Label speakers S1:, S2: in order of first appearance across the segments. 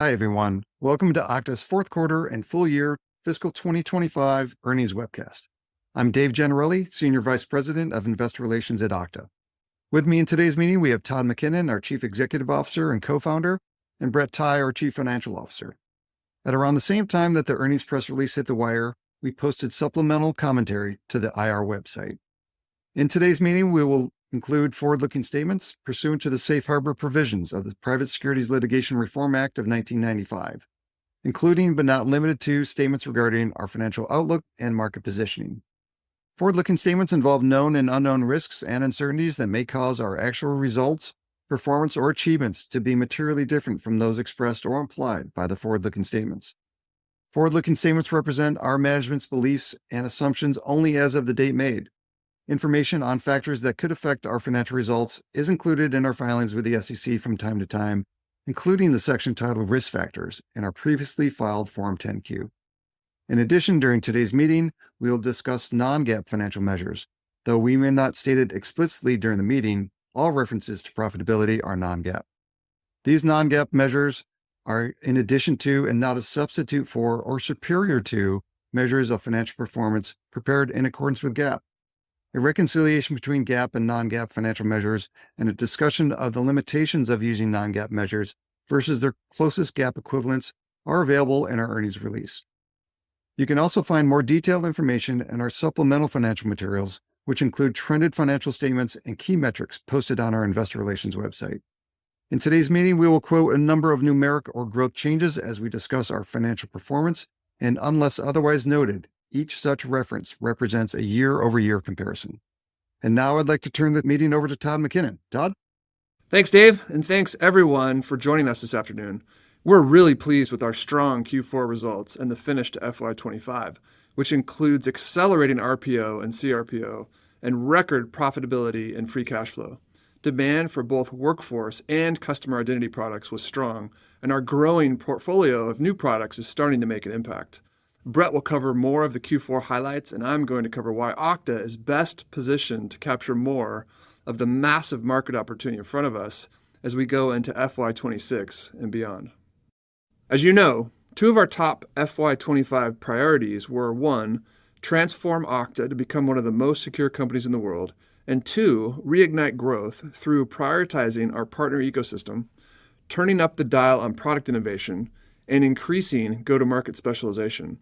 S1: Hi everyone, welcome to Okta's fourth quarter and full year, fiscal 2025 earnings webcast. I'm Dave Gennarelli, Senior Vice President of Investor Relations at Okta. With me in today's meeting, we have Todd McKinnon, our Chief Executive Officer and Co-founder, and Brett Tighe, our Chief Financial Officer. At around the same time that the earnings press release hit the wire, we posted supplemental commentary to the IR website. In today's meeting, we will include forward-looking statements pursuant to the safe harbor provisions of the Private Securities Litigation Reform Act of 1995, including but not limited to statements regarding our financial outlook and market positioning. Forward-looking statements involve known and unknown risks and uncertainties that may cause our actual results, performance, or achievements to be materially different from those expressed or implied by the forward-looking statements. Forward-looking statements represent our management's beliefs and assumptions only as of the date made. Information on factors that could affect our financial results is included in our filings with the SEC from time to time, including the section titled Risk Factors in our previously filed Form 10-Q. In addition, during today's meeting, we will discuss non-GAAP financial measures. Though we may not state it explicitly during the meeting, all references to profitability are non-GAAP. These non-GAAP measures are in addition to and not a substitute for or superior to measures of financial performance prepared in accordance with GAAP. A reconciliation between GAAP and non-GAAP financial measures and a discussion of the limitations of using non-GAAP measures versus their closest GAAP equivalents are available in our earnings release. You can also find more detailed information in our supplemental financial materials, which include trended financial statements and key metrics posted on our Investor Relations website. In today's meeting, we will quote a number of numeric or growth changes as we discuss our financial performance, and unless otherwise noted, each such reference represents a year-over-year comparison, and now I'd like to turn the meeting over to Todd McKinnon. Todd?
S2: Thanks, Dave, and thanks everyone for joining us this afternoon. We're really pleased with our strong Q4 results and the fiscal FY25, which includes accelerating RPO and CRPO and record profitability and free cash flow. Demand for both workforce and customer identity products was strong, and our growing portfolio of new products is starting to make an impact. Brett will cover more of the Q4 highlights, and I'm going to cover why Okta is best positioned to capture more of the massive market opportunity in front of us as we go into FY26 and beyond. As you know, two of our top FY25 priorities were, one, transform Okta to become one of the most secure companies in the world, and two, reignite growth through prioritizing our partner ecosystem, turning up the dial on product innovation, and increasing go-to-market specialization.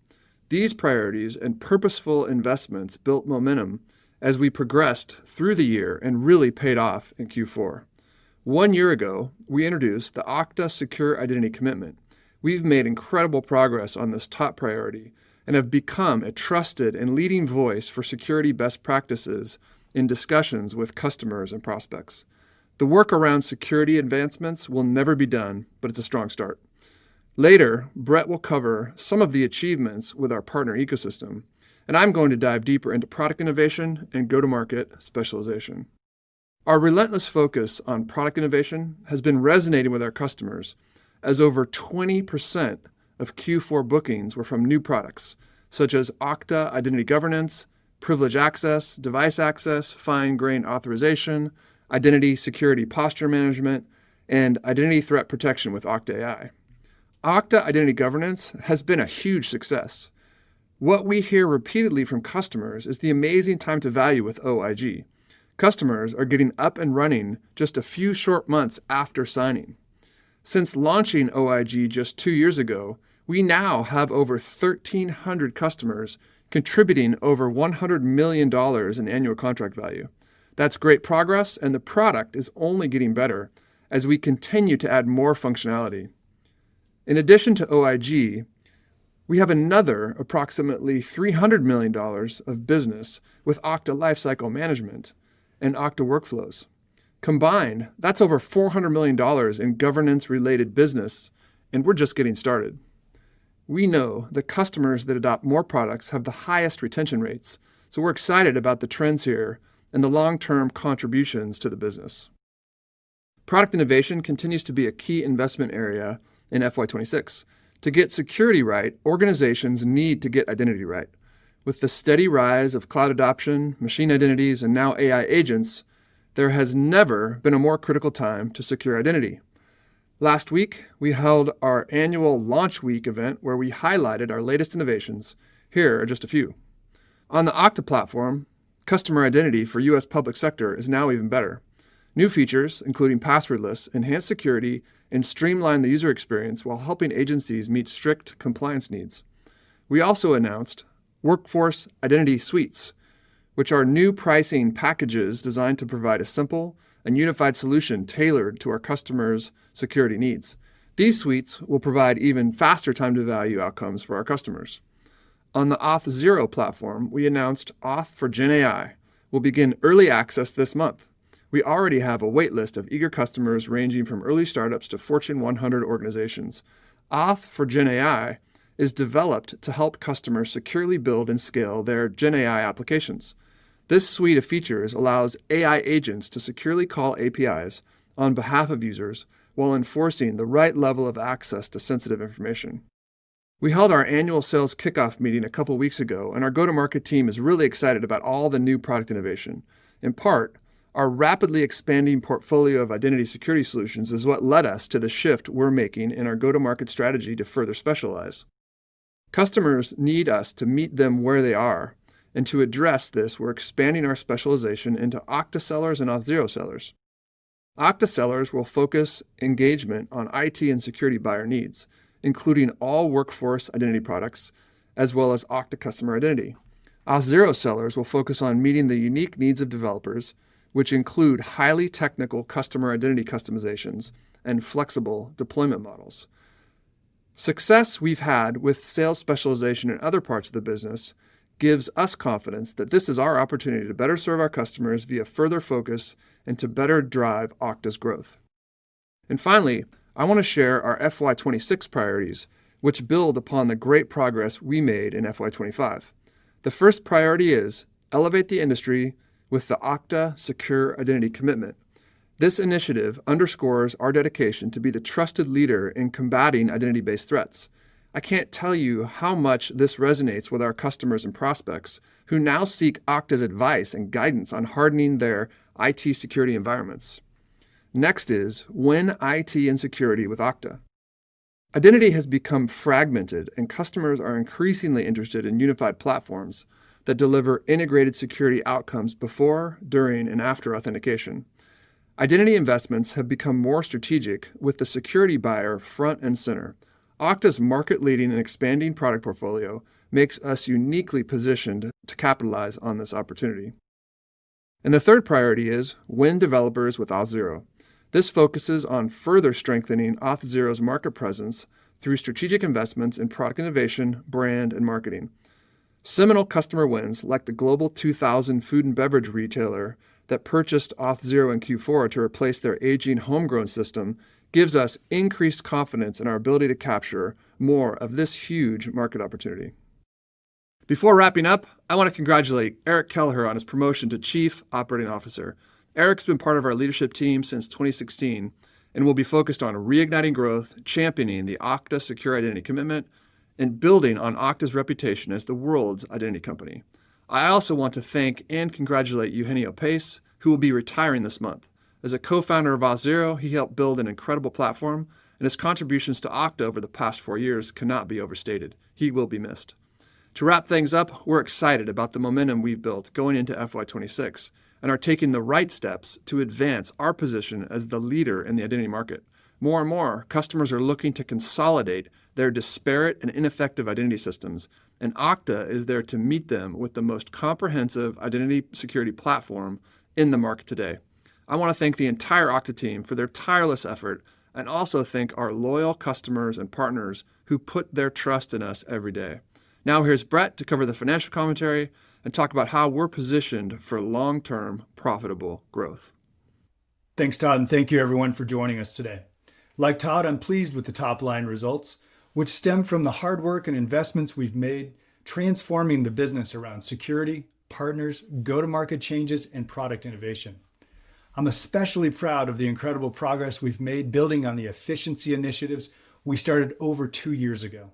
S2: These priorities and purposeful investments built momentum as we progressed through the year and really paid off in Q4. One year ago, we introduced the Okta Secure Identity Commitment. We've made incredible progress on this top priority and have become a trusted and leading voice for security best practices in discussions with customers and prospects. The work around security advancements will never be done, but it's a strong start. Later, Brett will cover some of the achievements with our partner ecosystem, and I'm going to dive deeper into product innovation and go-to-market specialization. Our relentless focus on product innovation has been resonating with our customers as over 20% of Q4 bookings were from new products such as Okta Identity Governance, Privileged Access, Device Access, Fine-Grained Authorization, Identity Security Posture Management, and Identity Threat Protection with Okta AI. Okta Identity Governance has been a huge success. What we hear repeatedly from customers is the amazing time to value with OIG. Customers are getting up and running just a few short months after signing. Since launching OIG just two years ago, we now have over 1,300 customers contributing over $100 million in annual contract value. That's great progress, and the product is only getting better as we continue to add more functionality. In addition to OIG, we have another approximately $300 million of business with Okta Lifecycle Management and Okta Workflows. Combined, that's over $400 million in governance-related business, and we're just getting started. We know the customers that adopt more products have the highest retention rates, so we're excited about the trends here and the long-term contributions to the business. Product innovation continues to be a key investment area in FY26. To get security right, organizations need to get identity right. With the steady rise of cloud adoption, machine identities, and now AI agents, there has never been a more critical time to secure identity. Last week, we held our annual launch week event where we highlighted our latest innovations. Here are just a few. On the Okta platform, customer identity for U.S. public sector is now even better. New features, including passwordless, enhance security and streamline the user experience while helping agencies meet strict compliance needs. We also announced Workforce Identity Suites, which are new pricing packages designed to provide a simple and unified solution tailored to our customers' security needs. These suites will provide even faster time to value outcomes for our customers. On the Auth0 platform, we announced Auth0 for GenAI will begin early access this month. We already have a waitlist of eager customers ranging from early startups to Fortune 100 organizations. Auth0 for GenAI is developed to help customers securely build and scale their GenAI applications. This suite of features allows AI agents to securely call APIs on behalf of users while enforcing the right level of access to sensitive information. We held our annual sales kickoff meeting a couple of weeks ago, and our go-to-market team is really excited about all the new product innovation. In part, our rapidly expanding portfolio of identity security solutions is what led us to the shift we're making in our go-to-market strategy to further specialize. Customers need us to meet them where they are, and to address this, we're expanding our specialization into Okta sellers and Auth0 sellers. Okta sellers will focus engagement on IT and security buyer needs, including all workforce identity products, as well as Okta customer identity. Auth0 sellers will focus on meeting the unique needs of developers, which include highly technical customer identity customizations and flexible deployment models. Success we've had with sales specialization in other parts of the business gives us confidence that this is our opportunity to better serve our customers via further focus and to better drive Okta's growth. And finally, I want to share our FY26 priorities, which build upon the great progress we made in FY25. The first priority is to elevate the industry with the Okta Secure Identity Commitment. This initiative underscores our dedication to be the trusted leader in combating identity-based threats. I can't tell you how much this resonates with our customers and prospects who now seek Okta's advice and guidance on hardening their IT security environments. Next is Win IT and Security with Okta. Identity has become fragmented, and customers are increasingly interested in unified platforms that deliver integrated security outcomes before, during, and after authentication. Identity investments have become more strategic with the security buyer front and center. Okta's market-leading and expanding product portfolio makes us uniquely positioned to capitalize on this opportunity. And the third priority is Win Developers with Auth0. This focuses on further strengthening Auth0's market presence through strategic investments in product innovation, brand, and marketing. Seminal customer wins like the Global 2000 Food and Beverage retailer that purchased Auth0 in Q4 to replace their aging homegrown system gives us increased confidence in our ability to capture more of this huge market opportunity. Before wrapping up, I want to congratulate Eric Kelleher on his promotion to Chief Operating Officer. Eric has been part of our leadership team since 2016 and will be focused on reigniting growth, championing the Okta Secure Identity Commitment, and building on Okta's reputation as the world's identity company. I also want to thank and congratulate Eugenio Pace, who will be retiring this month. As a co-founder of Auth0, he helped build an incredible platform, and his contributions to Okta over the past four years cannot be overstated. He will be missed. To wrap things up, we're excited about the momentum we've built going into FY26 and are taking the right steps to advance our position as the leader in the identity market. More and more, customers are looking to consolidate their disparate and ineffective identity systems, and Okta is there to meet them with the most comprehensive identity security platform in the market today. I want to thank the entire Okta team for their tireless effort and also thank our loyal customers and partners who put their trust in us every day. Now here's Brett to cover the financial commentary and talk about how we're positioned for long-term profitable growth.
S3: Thanks Todd, and thank youeveryone, for joining us today. Like Todd, I'm pleased with the top-line results, which stem from the hard work and investments we've made transforming the business around security, partners, go-to-market changes, and product innovation. I'm especially proud of the incredible progress we've made building on the efficiency initiatives we started over two years ago.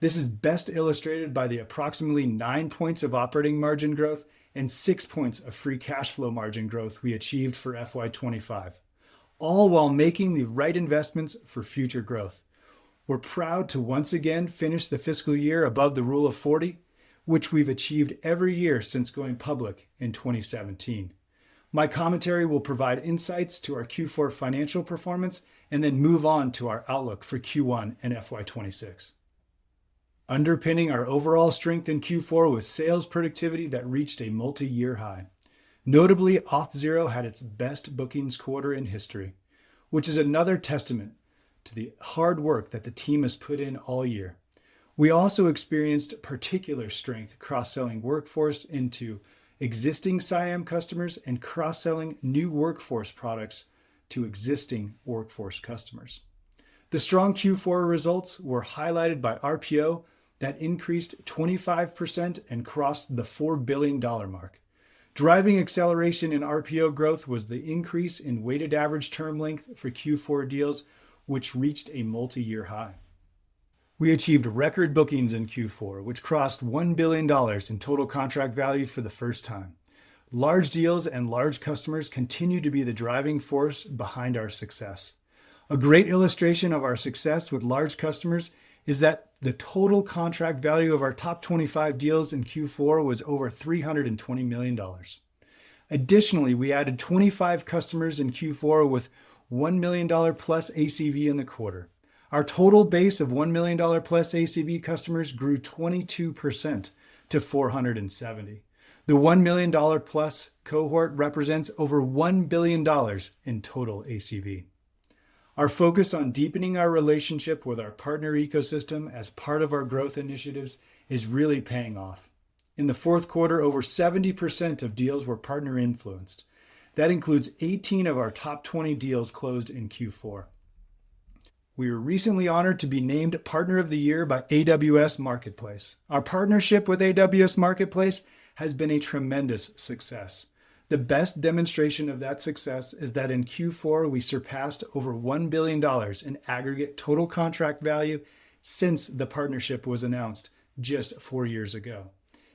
S3: This is best illustrated by the approximately nine points of operating margin growth and six points of free cash flow margin growth we achieved for FY25, all while making the right investments for future growth. We're proud to once again finish the fiscal year above the Rule of 40, which we've achieved every year since going public in 2017. My commentary will provide insights to our Q4 financial performance and then move on to our outlook for Q1 and FY26. Underpinning our overall strength in Q4 was sales productivity that reached a multi-year high. Notably, Auth0 had its best bookings quarter in history, which is another testament to the hard work that the team has put in all year. We also experienced particular strength cross-selling workforce into existing CIAM customers and cross-selling new workforce products to existing workforce customers. The strong Q4 results were highlighted by RPO that increased 25% and crossed the $4 billion mark. Driving acceleration in RPO growth was the increase in weighted average term length for Q4 deals, which reached a multi-year high. We achieved record bookings in Q4, which crossed $1 billion in total contract value for the first time. Large deals and large customers continue to be the driving force behind our success. A great illustration of our success with large customers is that the total contract value of our top 25 deals in Q4 was over $320 million. Additionally, we added 25 customers in Q4 with $1 million plus ACV in the quarter. Our total base of $1 million plus ACV customers grew 22% to 470. The $1 million plus cohort represents over $1 billion in total ACV. Our focus on deepening our relationship with our partner ecosystem as part of our growth initiatives is really paying off. In the fourth quarter, over 70% of deals were partner-influenced. That includes 18 of our top 20 deals closed in Q4. We were recently honored to be named Partner of the Year by AWS Marketplace. Our partnership with AWS Marketplace has been a tremendous success. The best demonstration of that success is that in Q4, we surpassed over $1 billion in aggregate total contract value since the partnership was announced just four years ago.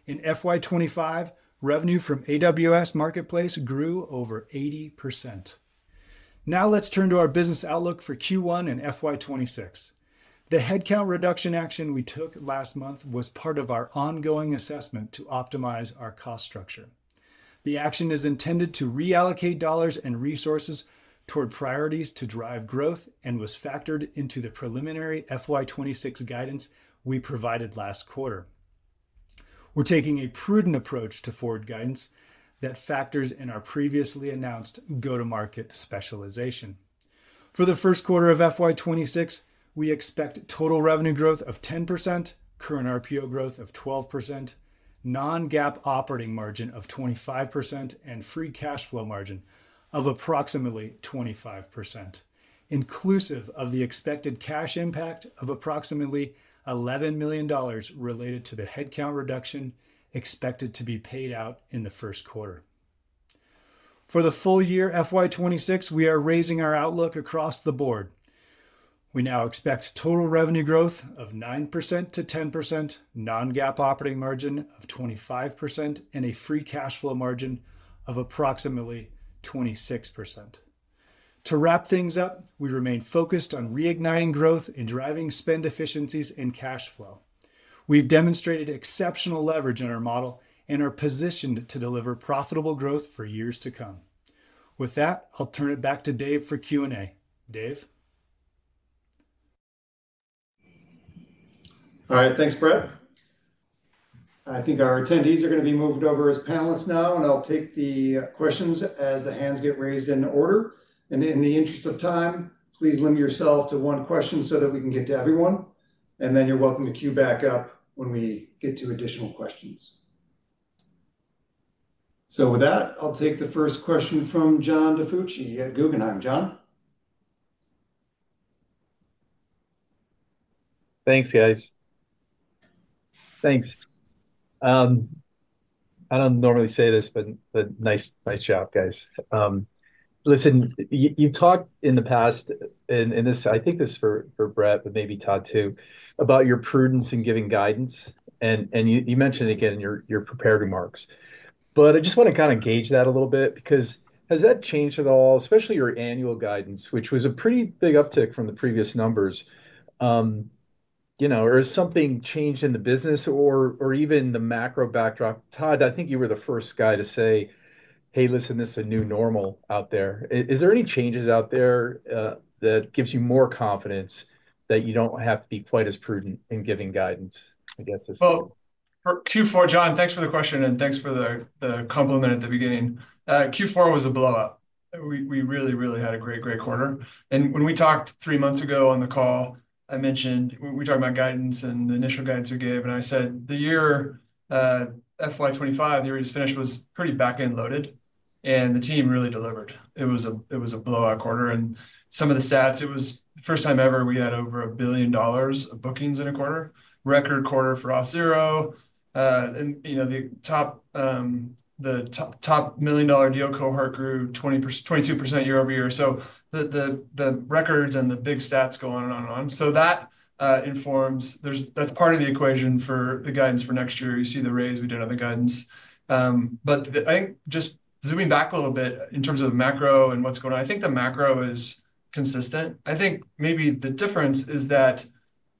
S3: In FY25, revenue from AWS Marketplace grew over 80%. Now let's turn to our business outlook for Q1 and FY26. The headcount reduction action we took last month was part of our ongoing assessment to optimize our cost structure. The action is intended to reallocate dollars and resources toward priorities to drive growth and was factored into the preliminary FY26 guidance we provided last quarter. We're taking a prudent approach to forward guidance that factors in our previously announced go-to-market specialization. For the first quarter of FY26, we expect total revenue growth of 10%, current RPO growth of 12%, non-GAAP operating margin of 25%, and free cash flow margin of approximately 25%, inclusive of the expected cash impact of approximately $11 million related to the headcount reduction expected to be paid out in the first quarter. For the full year FY26, we are raising our outlook across the board. We now expect total revenue growth of 9% to 10%, non-GAAP operating margin of 25%, and a free cash flow margin of approximately 26%. To wrap things up, we remain focused on reigniting growth and driving spend efficiencies and cash flow. We've demonstrated exceptional leverage in our model and are positioned to deliver profitable growth for years to come. With that, I'll turn it back to Dave for Q&A. Dave?
S1: All right, thanks, Brett. I think our attendees are going to be moved over as panelists now, and I'll take the questions as the hands get raised in order. And in the interest of time, please limit yourself to one question so that we can get to everyone. And then you're welcome to queue back up when we get to additional questions. So with that, I'll take the first question from John DiFucci at Guggenheim. John?
S4: Thanks, guys. Thanks. I don't normally say this, but nice job, guys. Listen, you've talked in the past, and I think this is for Brett, but maybe Todd too, about your prudence in giving guidance, and you mentioned it again in your prepared remarks, but I just want to kind of gauge that a little bit because has that changed at all, especially your annual guidance, which was a pretty big uptick from the previous numbers? Or has something changed in the business or even the macro backdrop? Todd, I think you were the first guy to say, "Hey, listen, this is a new normal out there." Is there any changes out there that gives you more confidence that you don't have to be quite as prudent in giving guidance? I guess.
S2: For Q4, John, thanks for the question and thanks for the compliment at the beginning. Q4 was a blowout. We really, really had a great, great quarter. When we talked three months ago on the call, I mentioned we talked about guidance and the initial guidance we gave. I said the year FY25, the year we just finished, was pretty back-end loaded. The team really delivered. It was a blowout quarter. Some of the stats, it was the first time ever we had over $1 billion of bookings in a quarter. Record quarter for Auth0. The top million-dollar deal cohort grew 22% year over year. The records and the big stats go on and on and on. That informs that's part of the equation for the guidance for next year. You see the raise. We didn't have the guidance. But I think just zooming back a little bit in terms of macro and what's going on, I think the macro is consistent. I think maybe the difference is that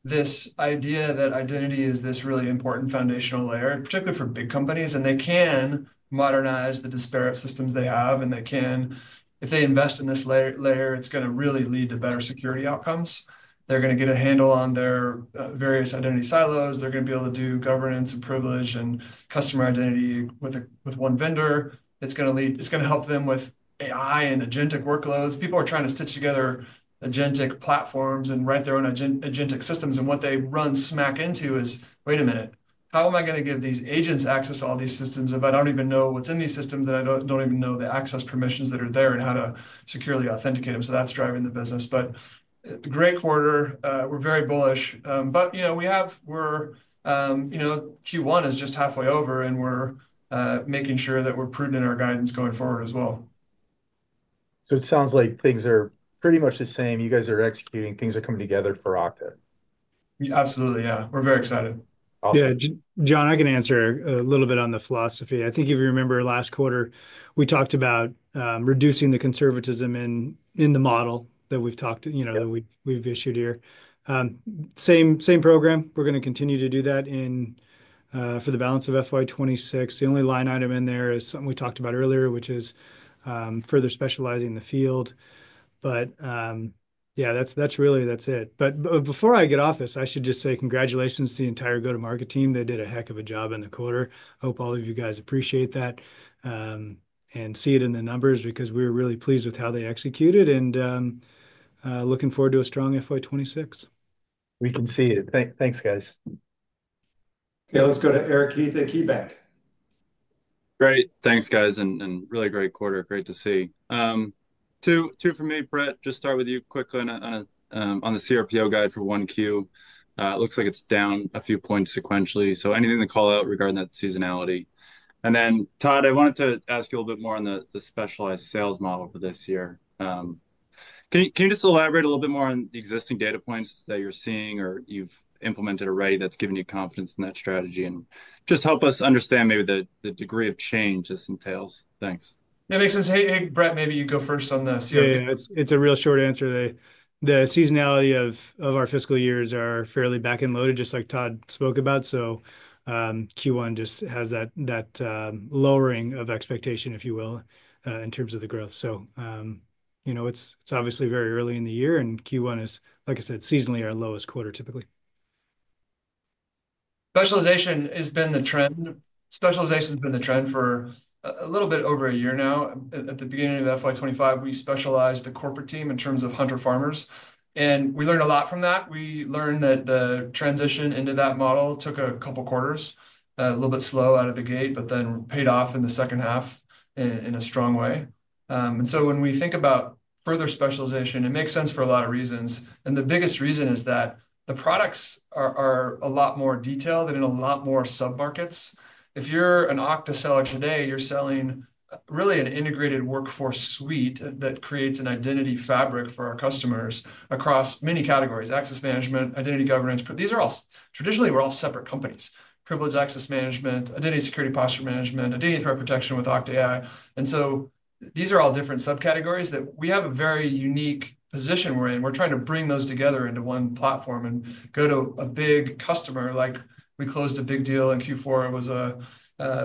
S2: this idea that identity is this really important foundational layer, particularly for big companies, and they can modernize the disparate systems they have. And if they invest in this layer, it's going to really lead to better security outcomes. They're going to get a handle on their various identity silos. They're going to be able to do governance and privilege and customer identity with one vendor. It's going to help them with AI and agentic workloads. People are trying to stitch together agentic platforms and write their own agentic systems. What they run smack into is, "Wait a minute, how am I going to give these agents access to all these systems if I don't even know what's in these systems and I don't even know the access permissions that are there and how to securely authenticate them?" So that's driving the business, but great quarter. We're very bullish, but we have, Q1 is just halfway over, and we're making sure that we're prudent in our guidance going forward as well.
S3: So it sounds like things are pretty much the same. You guys are executing. Things are coming together for Okta.
S2: Absolutely. Yeah. We're very excited.
S4: Awesome.
S3: Yeah. John, I can answer a little bit on the philosophy. I think if you remember last quarter, we talked about reducing the conservatism in the model that we've issued here. Same program. We're going to continue to do that for the balance of FY26. The only line item in there is something we talked about earlier, which is further specializing in the field. But yeah, that's really it. But before I get off this, I should just say congratulations to the entire go-to-market team. They did a heck of a job in the quarter. I hope all of you guys appreciate that and see it in the numbers because we were really pleased with how they executed and looking forward to a strong FY26.
S4: We can see it. Thanks, guys.
S1: Okay. Let's go to Eric Heath at KeyBanc.
S5: Great. Thanks, guys. And really great quarter. Great to see. Two from me, Brett. Just start with you quickly on the CRPO guide for Q1. It looks like it's down a few points sequentially. So anything to call out regarding that seasonality? And then, Todd, I wanted to ask you a little bit more on the specialized sales model for this year. Can you just elaborate a little bit more on the existing data points that you're seeing or you've implemented already that's given you confidence in that strategy and just help us understand maybe the degree of change this entails? Thanks.
S2: Yeah, makes sense. Hey, Brett, maybe you go first on this.
S3: Yeah, it's a real short answer. The seasonality of our fiscal years are fairly back-end loaded, just like Todd spoke about. So Q1 just has that lowering of expectation, if you will, in terms of the growth. So it's obviously very early in the year, and Q1 is, like I said, seasonally our lowest quarter typically.
S2: Specialization has been the trend. Specialization has been the trend for a little bit over a year now. At the beginning of FY25, we specialized the corporate team in terms of Hunter Farmers. We learned a lot from that. We learned that the transition into that model took a couple of quarters, a little bit slow out of the gate, but then paid off in the second half in a strong way. So when we think about further specialization, it makes sense for a lot of reasons. The biggest reason is that the products are a lot more detailed and in a lot more sub-markets. If you're an Okta seller today, you're selling really an integrated workforce suite that creates an identity fabric for our customers across many categories: access management, identity governance. Traditionally, we're all separate companies: privileged access management, identity security posture management, identity threat protection with Okta AI. These are all different subcategories that we have a very unique position we're in. We're trying to bring those together into one platform and go to a big customer. We closed a big deal in Q4.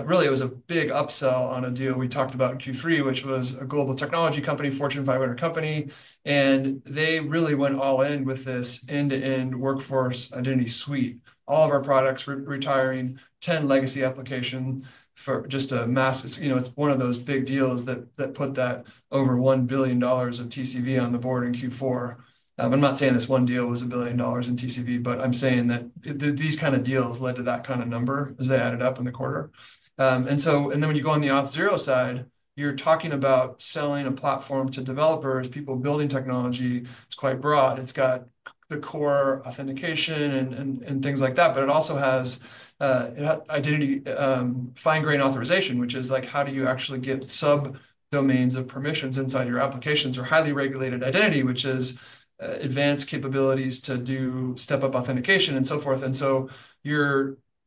S2: Really, it was a big upsell on a deal. We talked about Q3, which was a global technology company, Fortune 500 company. They really went all in with this end-to-end workforce identity suite. All of our products retiring 10 legacy applications for just a mess. It's one of those big deals that put that over $1 billion of TCV on the board in Q4. I'm not saying this one deal was $1 billion in TCV, but I'm saying that these kinds of deals led to that kind of number as they added up in the quarter. And then when you go on the Auth0 side, you're talking about selling a platform to developers, people building technology. It's quite broad. It's got the core authentication and things like that, but it also has identity fine-grained authorization, which is like, how do you actually get sub-domains of permissions inside your applications or Highly Regulated Identity, which is advanced capabilities to do step-up authentication and so forth.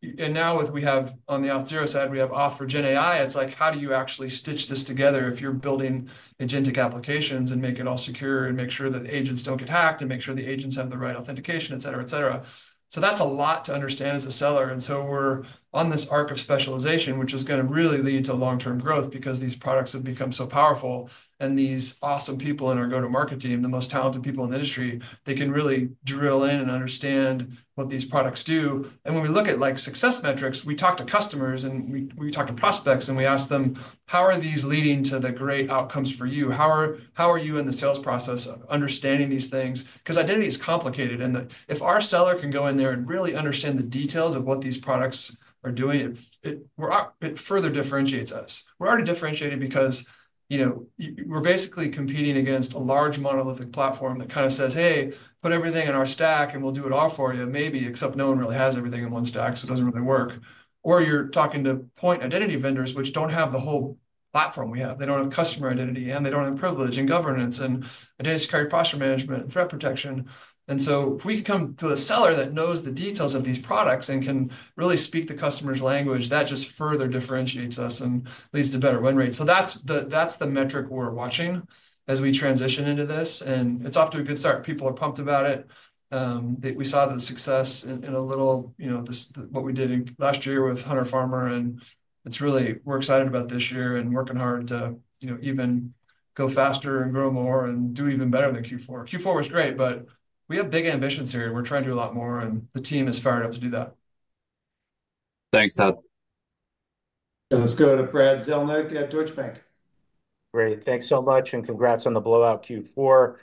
S2: And now we have on the Auth0 side, we have Auth0 for GenAI. It's like, how do you actually stitch this together if you're building agentic applications and make it all secure and make sure that the agents don't get hacked and make sure the agents have the right authentication, et cetera, et cetera. So that's a lot to understand as a seller. And so we're on this arc of specialization, which is going to really lead to long-term growth because these products have become so powerful. And these awesome people in our go-to-market team, the most talented people in the industry, they can really drill in and understand what these products do. And when we look at success metrics, we talk to customers and we talk to prospects and we ask them, how are these leading to the great outcomes for you? How are you in the sales process of understanding these things? Because identity is complicated. If our seller can go in there and really understand the details of what these products are doing, it further differentiates us. We're already differentiated because we're basically competing against a large monolithic platform that kind of says, "Hey, put everything in our stack and we'll do it all for you," maybe except no one really has everything in one stack, so it doesn't really work. Or you're talking to point identity vendors which don't have the whole platform we have. They don't have customer identity and they don't have privilege and governance and identity security posture management and threat protection. And so if we can come to a seller that knows the details of these products and can really speak the customer's language, that just further differentiates us and leads to better win rates. That's the metric we're watching as we transition into this. It's off to a good start. People are pumped about it. We saw the success in a little what we did last year with Hunter Farmer. It's really we're excited about this year and working hard to even go faster and grow more and do even better than Q4. Q4 was great, but we have big ambitions here. We're trying to do a lot more, and the team is fired up to do that.
S5: Thanks, Todd.
S1: Let's go to Brad Zelnick at Deutsche Bank.
S6: Great. Thanks so much, and congrats on the blowout Q4.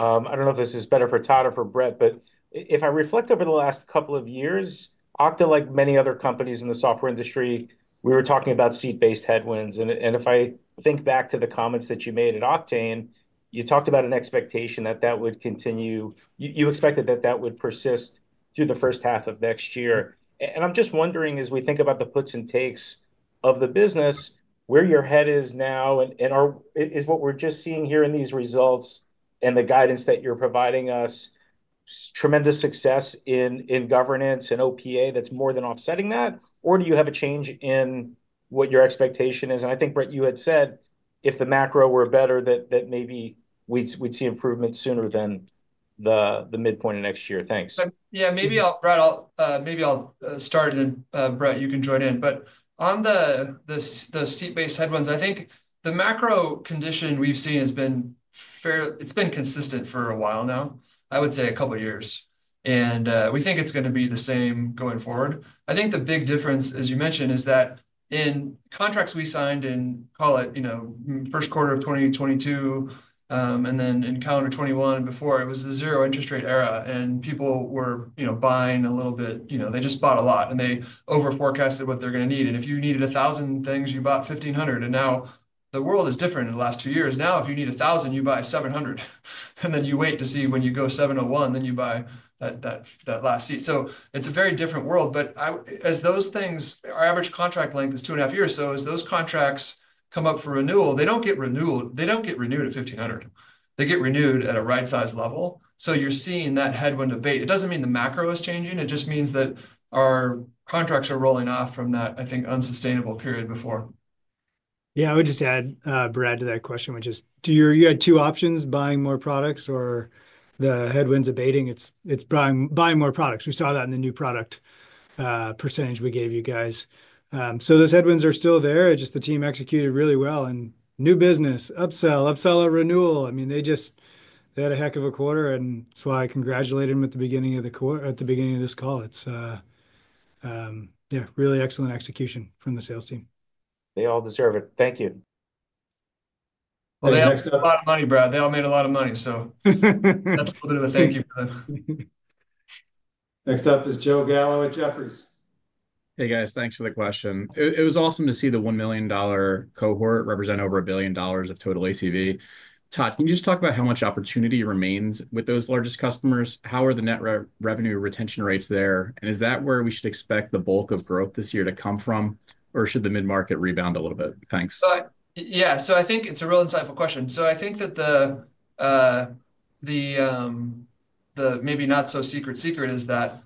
S6: I don't know if this is better for Todd or for Brett, but if I reflect over the last couple of years, Okta, like many other companies in the software industry, we were talking about seat-based headwinds. And if I think back to the comments that you made at Octane, you talked about an expectation that that would continue. You expected that that would persist through the first half of next year. And I'm just wondering, as we think about the puts and takes of the business, where your head is now, and is what we're just seeing here in these results and the guidance that you're providing us tremendous success in governance and OPA that's more than offsetting that? Or do you have a change in what your expectation is? I think, Brett, you had said if the macro were better, that maybe we'd see improvement sooner than the midpoint of next year. Thanks.
S2: Yeah, maybe I'll start, and then Brett, you can join in. But on the seat-based headwinds, I think the macro condition we've seen has been fair. It's been consistent for a while now, I would say a couple of years. And we think it's going to be the same going forward. I think the big difference, as you mentioned, is that in contracts we signed in, call it first quarter of 2022, and then in calendar 2021 and before, it was the zero interest rate era. And people were buying a little bit. They just bought a lot, and they over-forecasted what they're going to need. And if you needed 1,000 things, you bought 1,500. And now the world is different in the last two years. Now, if you need 1,000, you buy 700. And then you wait to see when you go 701, then you buy that last seat. It's a very different world. But as those things, our average contract length is two and a half years. So as those contracts come up for renewal, they don't get renewed. They don't get renewed at $1,500. They get renewed at a right-sized level. So you're seeing that headwind abate. It doesn't mean the macro is changing. It just means that our contracts are rolling off from that, I think, unsustainable period before.
S6: Yeah, I would just add, Brett, to that question, which is you had two options: buying more products or the headwinds abating. It's buying more products. We saw that in the new product percentage we gave you guys. So those headwinds are still there. Just the team executed really well. And new business, upsell, upsell or renewal. I mean, they had a heck of a quarter, and that's why I congratulated them at the beginning of this call. It's really excellent execution from the sales team.
S3: They all deserve it. Thank you.
S1: They all made a lot of money, Brad. They all made a lot of money. So that's a little bit of a thank you for them. Next up is Joe Gallo at Jefferies.
S7: Hey, guys. Thanks for the question. It was awesome to see the $1 million cohort represent over $1 billion of total ACV. Todd, can you just talk about how much opportunity remains with those largest customers? How are the net revenue retention rates there? And is that where we should expect the bulk of growth this year to come from, or should the mid-market rebound a little bit? Thanks.
S2: Yeah. So I think it's a real insightful question. So I think that the maybe not-so-secret secret is that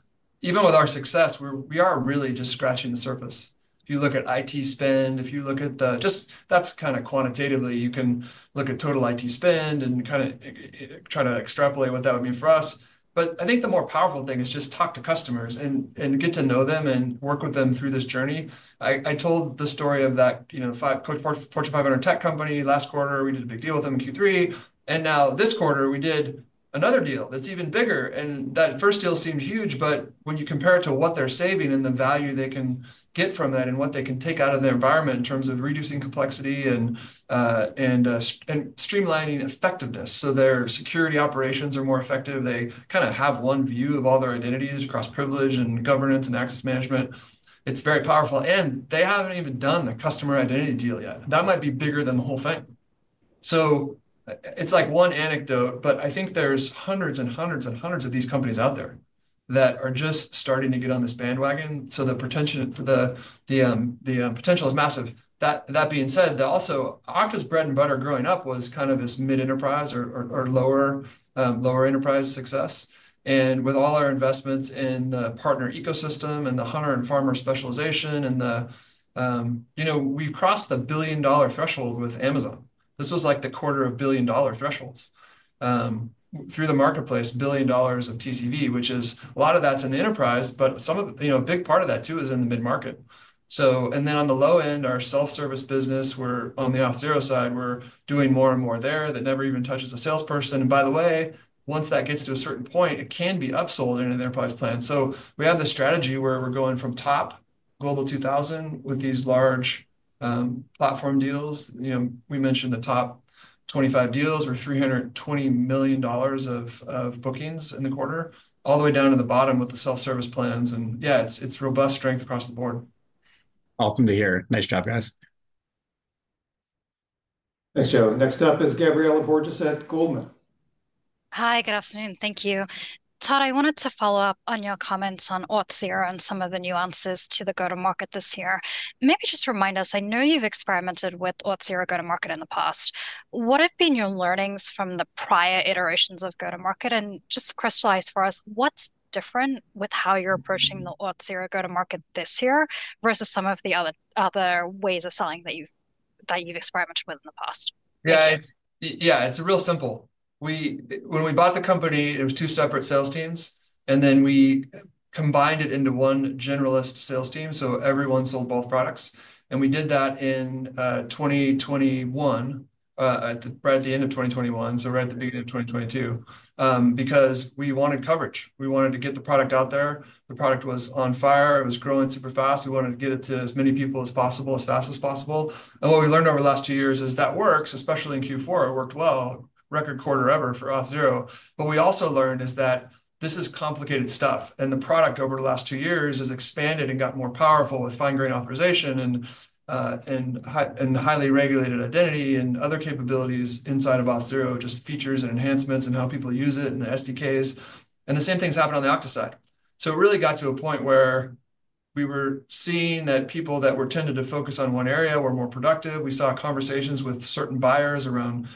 S2: even with our success, we are really just scratching the surface. If you look at IT spend, if you look at the just that's kind of quantitatively. You can look at total IT spend and kind of try to extrapolate what that would mean for us. But I think the more powerful thing is just talk to customers and get to know them and work with them through this journey. I told the story of that Fortune 500 tech company last quarter. We did a big deal with them in Q3. And now this quarter, we did another deal that's even bigger. That first deal seemed huge, but when you compare it to what they're saving and the value they can get from that and what they can take out of the environment in terms of reducing complexity and streamlining effectiveness. So their security operations are more effective. They kind of have one view of all their identities across privilege and governance and access management. It's very powerful. And they haven't even done the customer identity deal yet. That might be bigger than the whole thing. So it's like one anecdote, but I think there's hundreds and hundreds and hundreds of these companies out there that are just starting to get on this bandwagon. So the potential is massive. That being said, also Okta's bread and butter growing up was kind of this mid-enterprise or lower enterprise success. And with all our investments in the partner ecosystem and the Hunter and Farmer specialization, we've crossed the $1 billion threshold with Amazon. This was like the quarter of $1 billion thresholds. Through the marketplace, $1 billion of TCV, which is a lot of that's in the enterprise, but a big part of that, too, is in the mid-market. And then on the low end, our self-service business, we're on the Auth0 side, we're doing more and more there that never even touches a salesperson. And by the way, once that gets to a certain point, it can be upsold in an enterprise plan. So we have the strategy where we're going from top global 2000 with these large platform deals. We mentioned the top 25 deals were $320 million of bookings in the quarter, all the way down to the bottom with the self-service plans.
S3: Yeah, it's robust strength across the board.
S7: Awesome to hear. Nice job, guys.
S1: Thanks, Joe. Next up is Gabriela Borges at Goldman.
S8: Hi, good afternoon. Thank you. Todd, I wanted to follow up on your comments on Auth0 and some of the nuances to the go-to-market this year. Maybe just remind us, I know you've experimented with Auth0 go-to-market in the past. What have been your learnings from the prior iterations of go-to-market? And just to crystallize for us, what's different with how you're approaching the Auth0 go-to-market this year versus some of the other ways of selling that you've experimented with in the past?
S2: Yeah, it's real simple. When we bought the company, it was two separate sales teams. And then we combined it into one generalist sales team. So everyone sold both products. And we did that in 2021, right at the end of 2021, so right at the beginning of 2022, because we wanted coverage. We wanted to get the product out there. The product was on fire. It was growing super fast. We wanted to get it to as many people as possible, as fast as possible. And what we learned over the last two years is that works, especially in Q4. It worked well, record quarter ever for Auth0. But what we also learned is that this is complicated stuff. The product over the last two years has expanded and got more powerful with fine-grained authorization and highly regulated identity and other capabilities inside of Auth0, just features and enhancements and how people use it and the SDKs. The same thing's happened on the Okta side. It really got to a point where we were seeing that people that were tended to focus on one area were more productive. We saw conversations with certain buyers around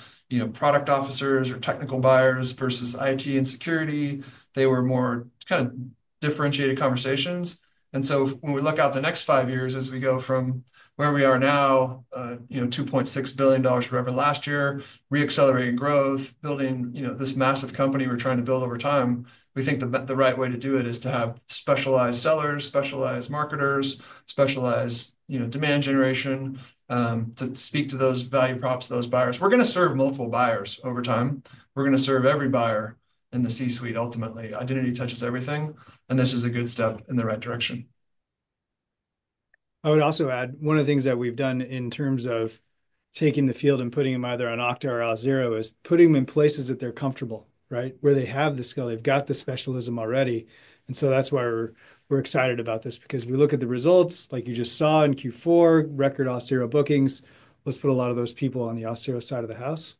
S2: product officers or technical buyers versus IT and security. They were more kind of differentiated conversations. And so when we look at the next five years, as we go from where we are now, $2.6 billion in revenue last year, re-accelerating growth, building this massive company we're trying to build over time, we think the right way to do it is to have specialized sellers, specialized marketers, specialized demand generation to speak to those value props, those buyers. We're going to serve multiple buyers over time. We're going to serve every buyer in the C-suite ultimately. Identity touches everything. And this is a good step in the right direction.
S3: I would also add one of the things that we've done in terms of taking the field and putting them either on Okta or Auth0 is putting them in places that they're comfortable, right, where they have the skill. They've got the specialism already, and so that's why we're excited about this, because we look at the results, like you just saw in Q4, record Auth0 bookings. Let's put a lot of those people on the Auth0 side of the house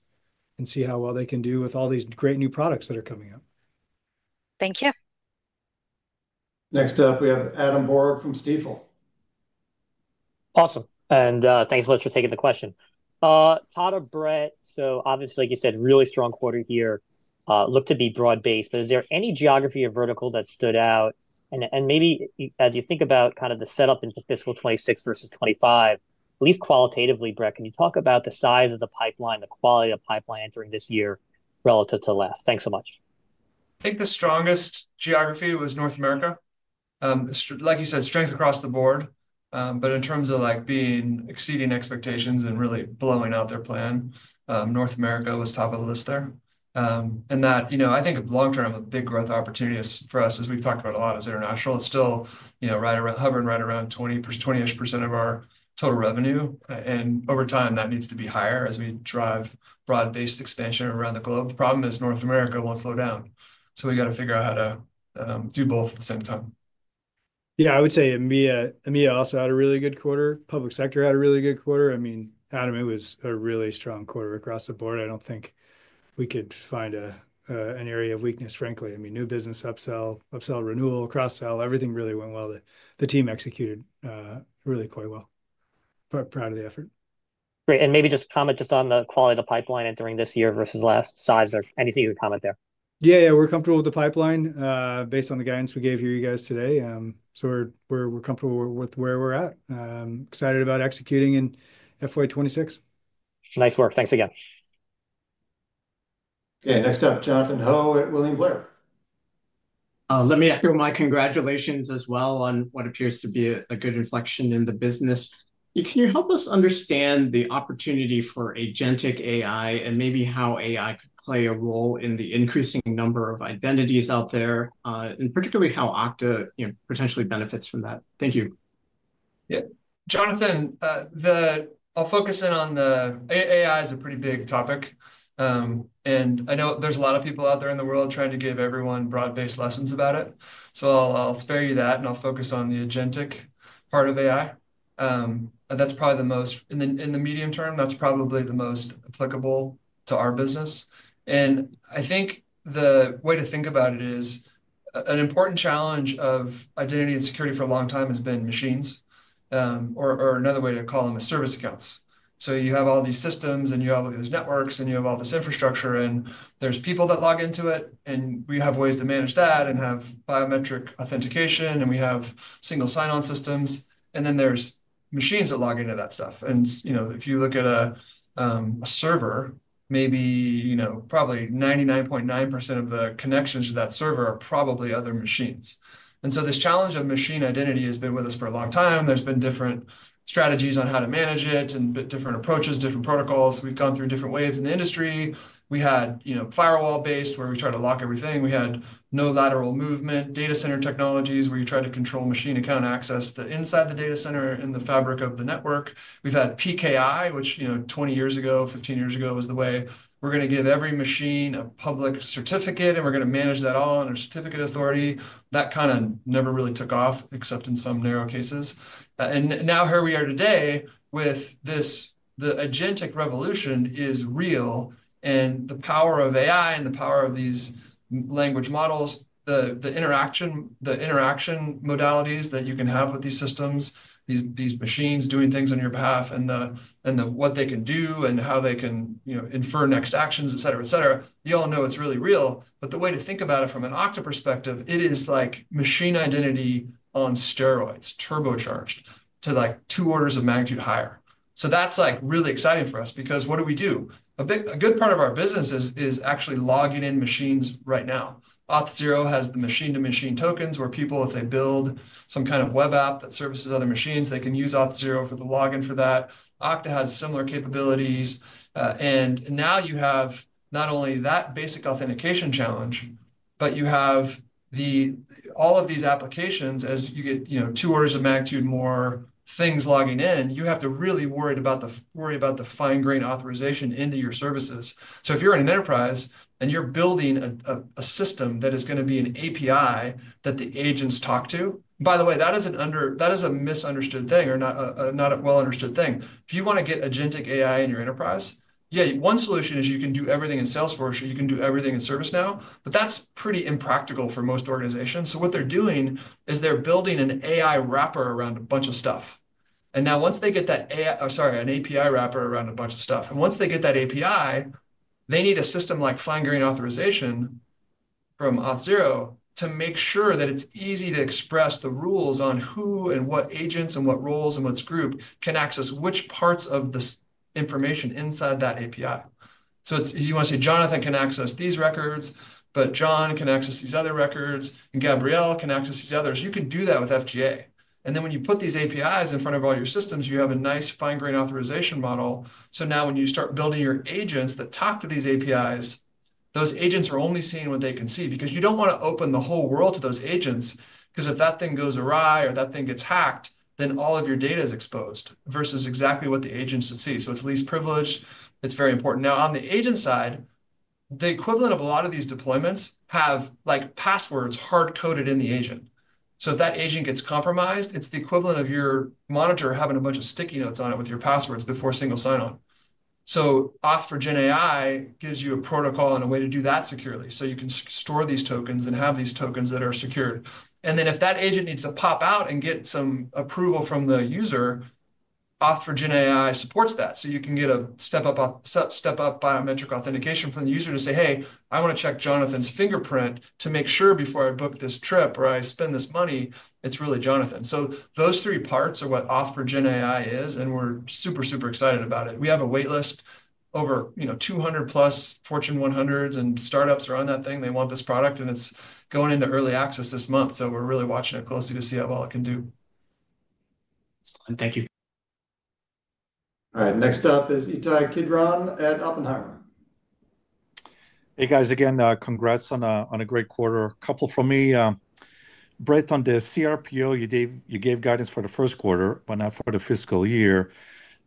S3: and see how well they can do with all these great new products that are coming up.
S8: Thank you.
S1: Next up, we have Adam Borg from Stifel.
S9: Awesome. And thanks so much for taking the question. Todd or Brett, so obviously, like you said, really strong quarter here. Looked to be broad-based, but is there any geography or vertical that stood out? And maybe as you think about kind of the setup into fiscal 2026 versus 2025, at least qualitatively, Brett, can you talk about the size of the pipeline, the quality of the pipeline entering this year relative to last? Thanks so much.
S3: I think the strongest geography was North America. Like you said, strength across the board. But in terms of being exceeding expectations and really blowing out their plan, North America was top of the list there. And I think long-term, a big growth opportunity for us, as we've talked about a lot, is international. It's still hovering right around 20-ish% of our total revenue. And over time, that needs to be higher as we drive broad-based expansion around the globe. The problem is North America won't slow down. So we got to figure out how to do both at the same time.
S2: Yeah, I would say EMEA also had a really good quarter. Public sector had a really good quarter. I mean, Adam, it was a really strong quarter across the board. I don't think we could find an area of weakness, frankly. I mean, new business, upsell, upsell, renewal, cross-sell, everything really went well. The team executed really quite well. But proud of the effort.
S9: Great. Maybe just comment on the quality of the pipeline entering this year versus last size or anything you would comment there.
S3: Yeah, yeah. We're comfortable with the pipeline based on the guidance we gave you guys today. So we're comfortable with where we're at. Excited about executing in FY26.
S9: Nice work. Thanks again.
S1: Okay. Next up, Jonathan Ho at William Blair.
S10: Let me echo my congratulations as well on what appears to be a good inflection in the business. Can you help us understand the opportunity for Agentic AI and maybe how AI could play a role in the increasing number of identities out there, and particularly how Okta potentially benefits from that? Thank you.
S2: Yeah. Jonathan, I'll focus in on the AI is a pretty big topic. And I know there's a lot of people out there in the world trying to give everyone broad-based lessons about it. So I'll spare you that, and I'll focus on the agentic part of AI. That's probably the most in the medium term, that's probably the most applicable to our business. And I think the way to think about it is an important challenge of identity and security for a long time has been machines, or another way to call them is service accounts. So you have all these systems, and you have all these networks, and you have all this infrastructure, and there's people that log into it. And we have ways to manage that and have biometric authentication, and we have single sign-on systems. And then there's machines that log into that stuff. If you look at a server, maybe probably 99.9% of the connections to that server are probably other machines. So this challenge of machine identity has been with us for a long time. There have been different strategies on how to manage it and different approaches, different protocols. We have gone through different waves in the industry. We had firewall-based where we tried to lock everything. We had no lateral movement data center technologies where you tried to control machine account access that is inside the data center in the fabric of the network. We have had PKI, which 20 years ago, 15 years ago, was the way we were going to give every machine a public certificate, and we were going to manage that all under certificate authority. That kind of never really took off except in some narrow cases. Now here we are today with this. The agentic revolution is real. And the power of AI and the power of these language models, the interaction modalities that you can have with these systems, these machines doing things on your behalf, and what they can do and how they can infer next actions, etc., etc. You all know it's really real. But the way to think about it from an Okta perspective, it is like machine identity on steroids, turbocharged to two orders of magnitude higher. So that's really exciting for us because what do we do? A good part of our business is actually logging in machines right now. Auth0 has the machine-to-machine tokens where people, if they build some kind of web app that services other machines, they can use Auth0 for the login for that. Okta has similar capabilities. And now you have not only that basic authentication challenge, but you have all of these applications as you get two orders of magnitude more things logging in. You have to really worry about the fine-grained authorization into your services. So if you're an enterprise and you're building a system that is going to be an API that the agents talk to, by the way, that is a misunderstood thing or not a well-understood thing. If you want to get agentic AI in your enterprise, yeah, one solution is you can do everything in Salesforce or you can do everything in ServiceNow, but that's pretty impractical for most organizations. So what they're doing is they're building an AI wrapper around a bunch of stuff. And now once they get that AI, or sorry, an API wrapper around a bunch of stuff. Once they get that API, they need a system like Fine-Grain Authorization from Auth0 to make sure that it's easy to express the rules on who and what agents and what roles and what's group can access which parts of the information inside that API. You want to say Jonathan can access these records, but John can access these other records, and Gabrielle can access these others. You could do that with FGA. Then when you put these APIs in front of all your systems, you have a nice Fine-Grain Authorization model.
S1: So now when you start building your agents that talk to these APIs, those agents are only seeing what they can see because you don't want to open the whole world to those agents because if that thing goes awry or that thing gets hacked, then all of your data is exposed versus exactly what the agents should see. So it's least privileged. It's very important. Now, on the agent side, the equivalent of a lot of these deployments have passwords hard-coded in the agent. So if that agent gets compromised, it's the equivalent of your monitor having a bunch of sticky notes on it with your passwords before single sign-on. So Auth0 for GenAI gives you a protocol and a way to do that securely. So you can store these tokens and have these tokens that are secured. Then if that agent needs to pop out and get some approval from the user, Auth0 for GenAI supports that. You can get a step-up biometric authentication from the user to say, "Hey, I want to check Jonathan's fingerprint to make sure before I book this trip or I spend this money, it's really Jonathan." Those three parts are what Auth0 for GenAI is, and we're super, super excited about it. We have a waitlist over 200 plus Fortune 100s, and startups are on that thing. They want this product, and it's going into early access this month. We're really watching it closely to see how well it can do.
S9: Excellent. Thank you.
S1: All right. Next up is Ittai Kidron at Oppenheimer. Hey, guys, again, congrats on a great quarter. A couple from me. Brett, on the CRPO, you gave guidance for the first quarter, but not for the fiscal year.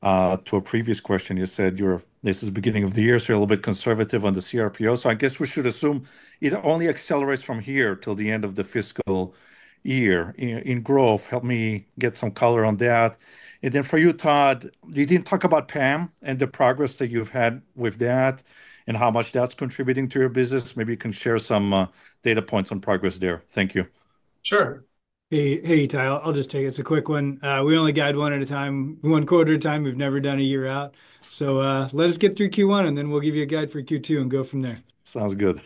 S1: To a previous question, you said this is the beginning of the year, so you're a little bit conservative on the CRPO. So I guess we should assume it only accelerates from here till the end of the fiscal year in growth. Help me get some color on that. And then for you, Todd, you didn't talk about PAM and the progress that you've had with that and how much that's contributing to your business. Maybe you can share some data points on progress there. Thank you.
S2: Sure.
S3: Hey, Ittai, I'll just take it. It's a quick one. We only guide one at a time, one quarter at a time. We've never done a year out. So let us get through Q1, and then we'll give you a guide for Q2 and go from there.
S11: Sounds good.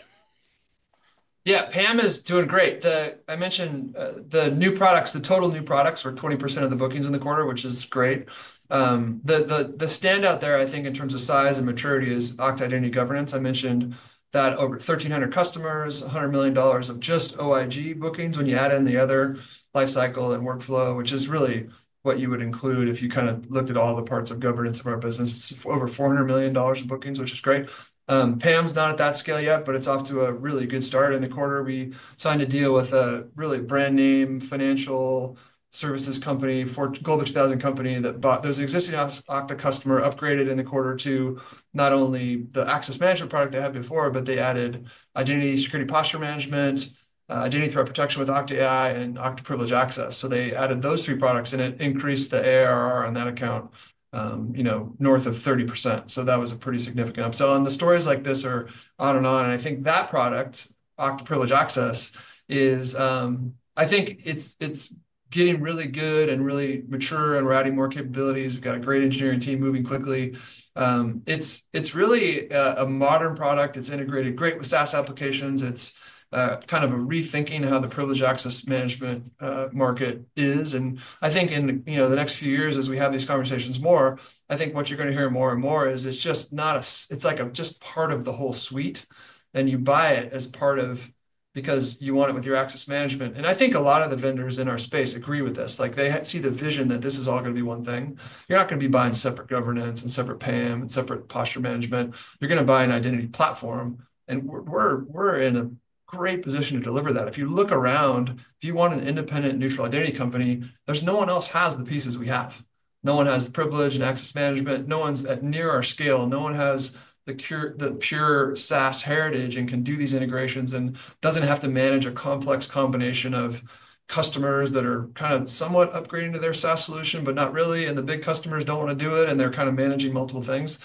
S2: Yeah, PAM is doing great. I mentioned the total new products were 20% of the bookings in the quarter, which is great. The standout there, I think, in terms of size and maturity is Okta Identity Governance. I mentioned that over 1,300 customers, $100 million of just OIG bookings when you add in the other life cycle and workflow, which is really what you would include if you kind of looked at all the parts of governance of our business. It's over $400 million of bookings, which is great. PAM's not at that scale yet, but it's off to a really good start in the quarter. We signed a deal with a really brand-name financial services company, a global 2000 company that bought those existing Okta customers, upgraded in the quarter to not only the access management product they had before, but they added Identity Security Posture Management, Identity Threat Protection with Okta AI, and Okta Privileged Access. So they added those three products, and it increased the ARR on that account north of 30%. So that was a pretty significant upsell. And the stories like this are on and on. And I think that product, Okta Privileged Access, I think it's getting really good and really mature and we're adding more capabilities. We've got a great engineering team moving quickly. It's really a modern product. It's integrated great with SaaS applications. It's kind of a rethinking of how the privileged access management market is. I think in the next few years, as we have these conversations more, I think what you're going to hear more and more is it's just not, it's like just part of the whole suite. You buy it as part of because you want it with your access management. I think a lot of the vendors in our space agree with this. They see the vision that this is all going to be one thing. You're not going to be buying separate governance and separate PAM and separate posture management. You're going to buy an identity platform. We're in a great position to deliver that. If you look around, if you want an independent, neutral identity company, there's no one else has the pieces we have. No one has the privileged access management. No one's any near our scale. No one has the pure SaaS heritage and can do these integrations and doesn't have to manage a complex combination of customers that are kind of somewhat upgrading to their SaaS solution, but not really. And the big customers don't want to do it, and they're kind of managing multiple things.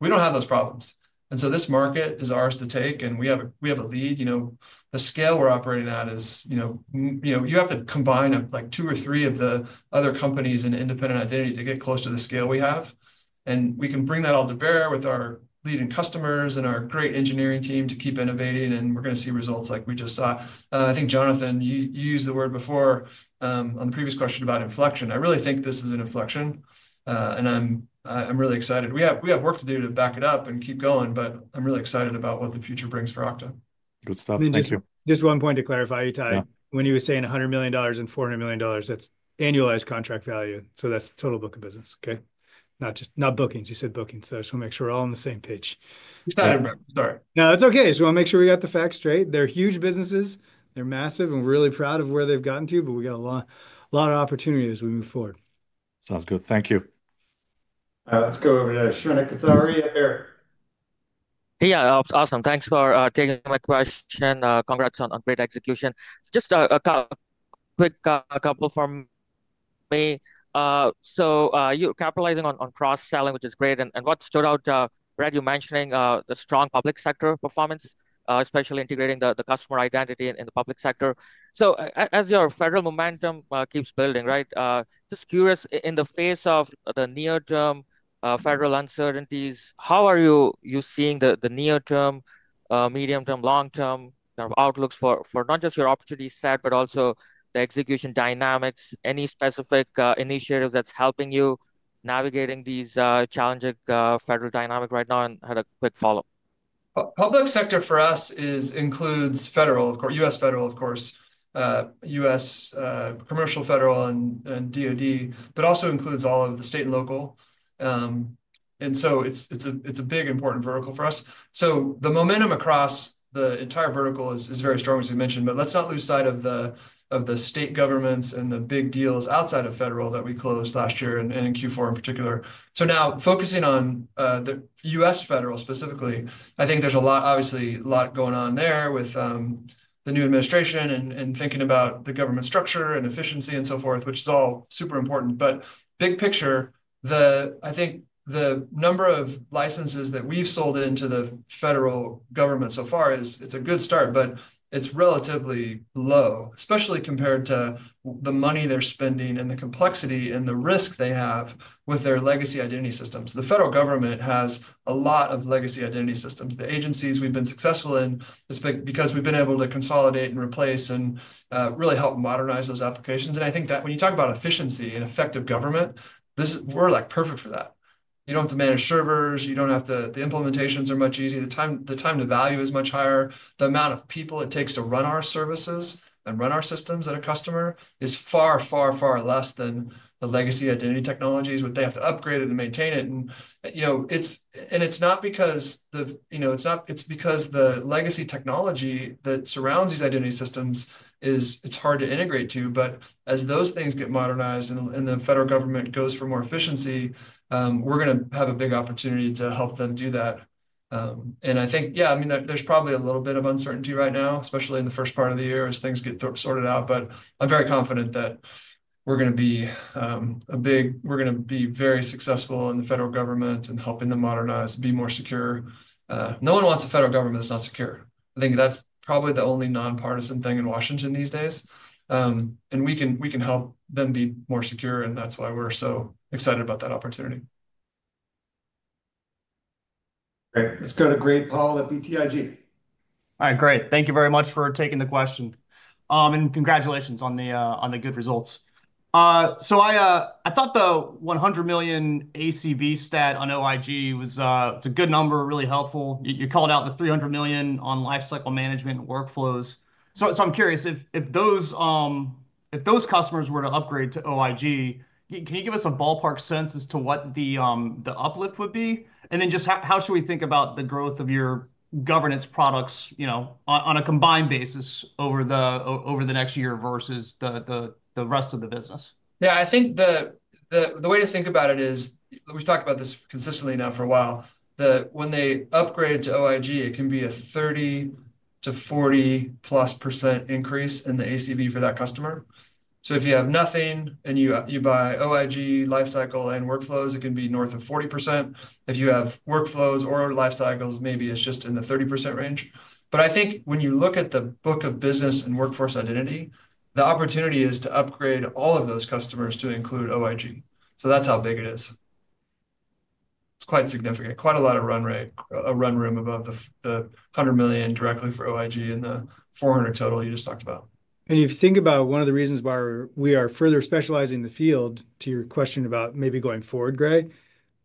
S2: We don't have those problems. And so this market is ours to take. And we have a lead. The scale we're operating at is you have to combine two or three of the other companies and independent identity to get close to the scale we have. And we can bring that all to bear with our leading customers and our great engineering team to keep innovating. And we're going to see results like we just saw. I think Jonathan, you used the word before on the previous question about inflection. I really think this is an inflection. I'm really excited. We have work to do to back it up and keep going, but I'm really excited about what the future brings for Okta.
S11: Good stuff. Thank you.
S3: Just one point to clarify, Ittai. When you were saying $100 million and $400 million, that's annualized contract value. So that's total book of business, okay? Not bookings. You said bookings. So I just want to make sure we're all on the same page.
S11: Sorry.
S3: No, that's okay. Just want to make sure we got the facts straight. They're huge businesses. They're massive, and we're really proud of where they've gotten to, but we got a lot of opportunity as we move forward.
S11: Sounds good. Thank you.
S1: Let's go over to Shrenik Kothari of Baird. Yeah, awesome. Thanks for taking my question. Congrats on great execution. Just a quick couple from me. So you're capitalizing on cross-selling, which is great, and what stood out. Brett, you mentioning the strong public sector performance, especially integrating the customer identity in the public sector, so as your federal momentum keeps building, right, just curious, in the face of the near-term federal uncertainties, how are you seeing the near-term, medium-term, long-term kind of outlooks for not just your opportunity set, but also the execution dynamics, any specific initiatives that's helping you navigating these challenging federal dynamics right now and had a quick follow-up?
S2: Public sector for us includes federal, US federal, of course, US commercial federal and DOD, but also includes all of the state and local. And so it's a big, important vertical for us. So the momentum across the entire vertical is very strong, as we mentioned. But let's not lose sight of the state governments and the big deals outside of federal that we closed last year and in Q4 in particular. So now focusing on the US federal specifically, I think there's obviously a lot going on there with the new administration and thinking about the government structure and efficiency and so forth, which is all super important. Big picture, I think the number of licenses that we've sold into the federal government so far. It's a good start, but it's relatively low, especially compared to the money they're spending and the complexity and the risk they have with their legacy identity systems. The federal government has a lot of legacy identity systems. The agencies we've been successful in, it's because we've been able to consolidate and replace and really help modernize those applications. I think that when you talk about efficiency and effective government, we're perfect for that. You don't have to manage servers. You don't have to. The implementations are much easier. The time to value is much higher. The amount of people it takes to run our services and run our systems at a customer is far, far, far less than the legacy identity technologies where they have to upgrade it and maintain it. And it's not because it's because the legacy technology that surrounds these identity systems is hard to integrate to. But as those things get modernized and the federal government goes for more efficiency, we're going to have a big opportunity to help them do that. And I think, yeah, I mean, there's probably a little bit of uncertainty right now, especially in the first part of the year as things get sorted out. But I'm very confident that we're going to be very successful in the federal government and helping them modernize and be more secure. No one wants a federal government that's not secure. I think that's probably the only nonpartisan thing in Washington these days. And we can help them be more secure. And that's why we're so excited about that opportunity.
S1: Great. Let's go to Gray Powell at BTIG.
S12: All right. Great. Thank you very much for taking the question. Congratulations on the good results. So I thought the $100 million ACV stat on OIG was a good number, really helpful. You called out the $300 million on life cycle management workflows. So I'm curious, if those customers were to upgrade to OIG, can you give us a ballpark sense as to what the uplift would be? And then just how should we think about the growth of your governance products on a combined basis over the next year versus the rest of the business?
S2: Yeah, I think the way to think about it is we've talked about this consistently now for a while. When they upgrade to OIG, it can be a 30%-40+% increase in the ACV for that customer. So if you have nothing and you buy OIG, life cycle, and workflows, it can be north of 40%. If you have workflows or life cycles, maybe it's just in the 30% range. But I think when you look at the book of business and workforce identity, the opportunity is to upgrade all of those customers to include OIG. So that's how big it is. It's quite significant, quite a lot of run room above the $100 million directly for OIG and the $400 million total you just talked about.
S3: If you think about one of the reasons why we are further specializing in the field to your question about maybe going forward, Gray,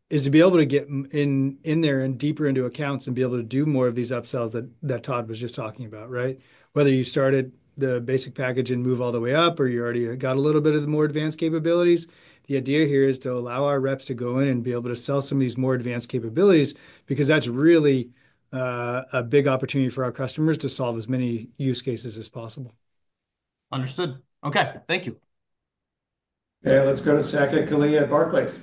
S3: is to be able to get in there and deeper into accounts and be able to do more of these upsells that Todd was just talking about, right? Whether you started the basic package and move all the way up, or you already got a little bit of the more advanced capabilities, the idea here is to allow our reps to go in and be able to sell some of these more advanced capabilities because that's really a big opportunity for our customers to solve as many use cases as possible.
S12: Understood. Okay. Thank you.
S1: Yeah. Let's go to Saket Kalia at Barclays.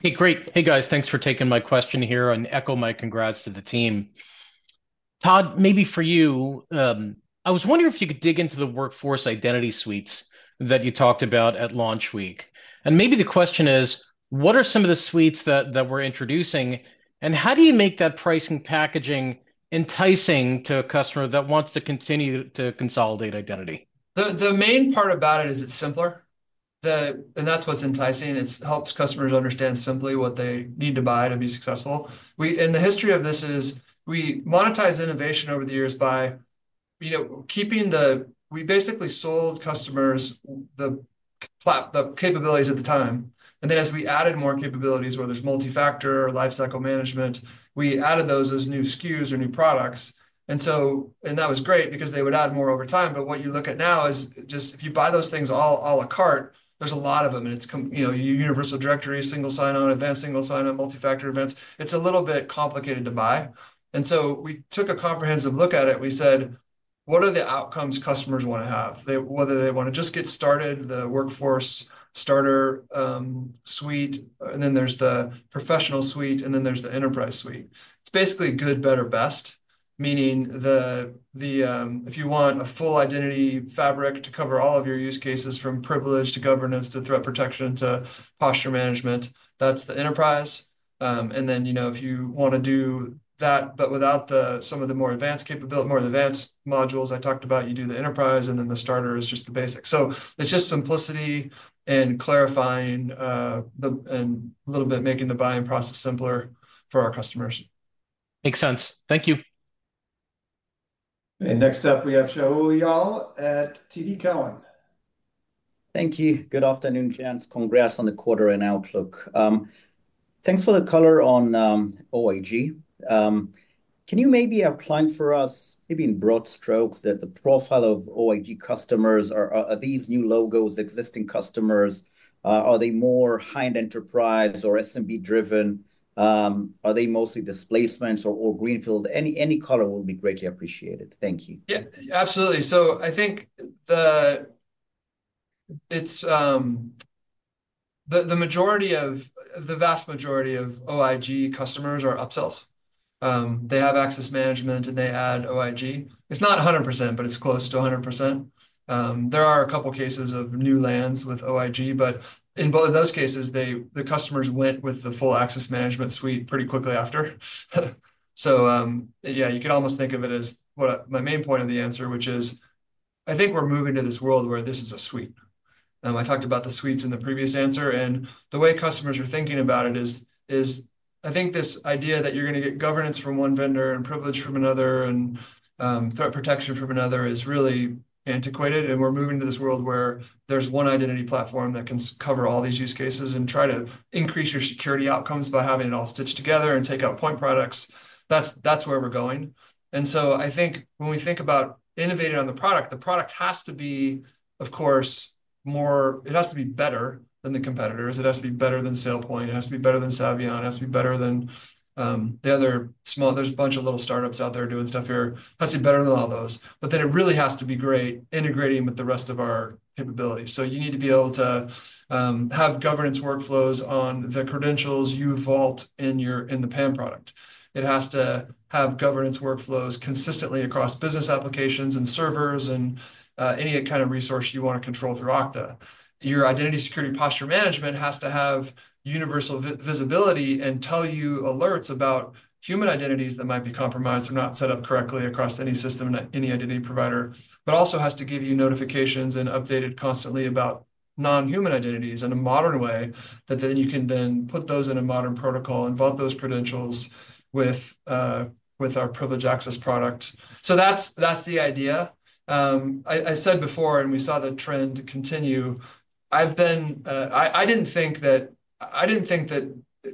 S13: Hey, Gray. Hey, guys. Thanks for taking my question here and echo my congrats to the team. Todd, maybe for you, I was wondering if you could dig into the Workforce Identity Suites that you talked about at launch week and maybe the question is, what are some of the suites that we're introducing?, and how do you make that pricing packaging enticing to a customer that wants to continue to consolidate identity?
S2: The main part about it is it's simpler, and that's what's enticing. It helps customers understand simply what they need to buy to be successful. The history of this is we monetize innovation over the years by, we basically sold customers the capabilities at the time. Then as we added more capabilities where there's multifactor or life cycle management, we added those as new SKUs or new products. That was great because they would add more over time, but what you look at now is just if you buy those things à la carte, there's a lot of them. It's universal directory, single sign-on, advanced single sign-on, multifactor events. It's a little bit complicated to buy, and so we took a comprehensive look at it. We said, what are the outcomes customers want to have? Whether they want to just get started, the Workforce Starter Suite, and then there's the Professional Suite, and then there's the Enterprise Suite. It's basically good, better, best, meaning if you want a full identity fabric to cover all of your use cases from privilege to governance to threat protection to posture management, that's the Enterprise. And then if you want to do that, but without some of the more advanced capabilities, more advanced modules I talked about, you do the enterprise, and then the Starter is just the basic. So it's just simplicity and clarifying and a little bit making the buying process simpler for our customers.
S13: Makes sense. Thank you.
S1: Next up, we have Shaul Eyal at TD Cowen.
S14: Thank you. Good afternoon, gents. Congrats on the quarter and outlook. Thanks for the color on OIG. Can you maybe outline for us, maybe in broad strokes the profile of OIG customers? Are these new logos existing customers? Are they more high-end enterprise or SMB-driven? Are they mostly displacements or greenfield? Any color will be greatly appreciated. Thank you.
S2: Yeah, absolutely. So I think the majority of the vast majority of OIG customers are upsells. They have access management, and they add OIG. It's not 100%, but it's close to 100%. There are a couple of cases of new lands with OIG. But in both of those cases, the customers went with the full access management suite pretty quickly after. So yeah, you could almost think of it as my main point of the answer, which is I think we're moving to this world where this is a suite. I talked about the suites in the previous answer. And the way customers are thinking about it is I think this idea that you're going to get governance from one vendor and privilege from another and threat protection from another is really antiquated. And we're moving to this world where there's one identity platform that can cover all these use cases and try to increase your security outcomes by having it all stitched together and take out point products. That's where we're going. And so I think when we think about innovating on the product, the product has to be, of course, more. It has to be better than the competitors. It has to be better than SailPoint. It has to be better than Saviynt. It has to be better than the other small. There's a bunch of little startups out there doing stuff here. It has to be better than all those. But then it really has to be great integrating with the rest of our capabilities. So you need to be able to have governance workflows on the credentials, you vault in the PAM product. It has to have governance workflows consistently across business applications and servers and any kind of resource you want to control through Okta. Your Identity Security Posture Management has to have universal visibility and tell you alerts about human identities that might be compromised or not set up correctly across any system and any identity provider, but also has to give you notifications and updated constantly about non-human identities in a modern way that then you can put those in a modern protocol and vault those credentials with our Privileged Access product. So that's the idea. I said before, and we saw the trend continue. I didn't think that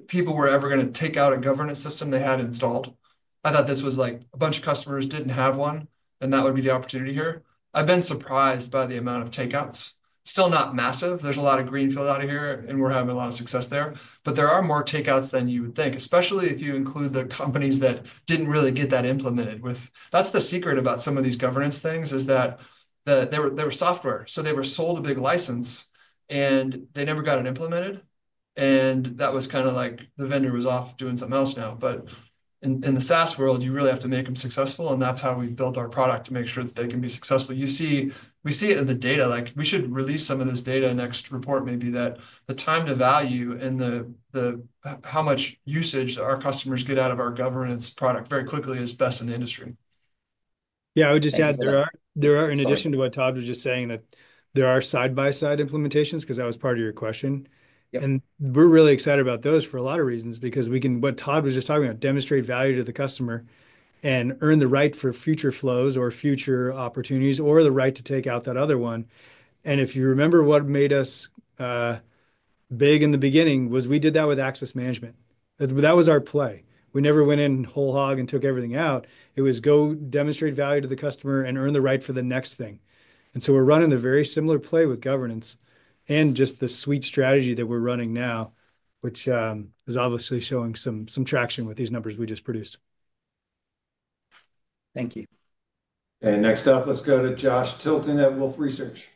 S2: people were ever going to take out a governance system they had installed. I thought this was like a bunch of customers didn't have one, and that would be the opportunity here. I've been surprised by the amount of takeouts. Still not massive. There's a lot of greenfield out of here, and we're having a lot of success there. But there are more takeouts than you would think, especially if you include the companies that didn't really get that implemented with. That's the secret about some of these governance things is that they were software. So they were sold a big license, and they never got it implemented. And that was kind of like the vendor was off doing something else now. But in the SaaS world, you really have to make them successful. And that's how we've built our product to make sure that they can be successful. We see it in the data. We should release some of this data next report, maybe, that the time to value and how much usage our customers get out of our governance product very quickly is best in the industry.
S3: Yeah, I would just add there are, in addition to what Todd was just saying, that there are side-by-side implementations because that was part of your question. And we're really excited about those for a lot of reasons because we can what Todd was just talking about, demonstrate value to the customer and earn the right for future flows or future opportunities or the right to take out that other one. And if you remember what made us big in the beginning was we did that with access management. That was our play. We never went in whole hog and took everything out. It was go demonstrate value to the customer and earn the right for the next thing. And so we're running a very similar play with governance and just the suite strategy that we're running now, which is obviously showing some traction with these numbers we just produced.
S14: Thank you.
S1: Next up, let's go to Joshua Tilton at Wolfe Research.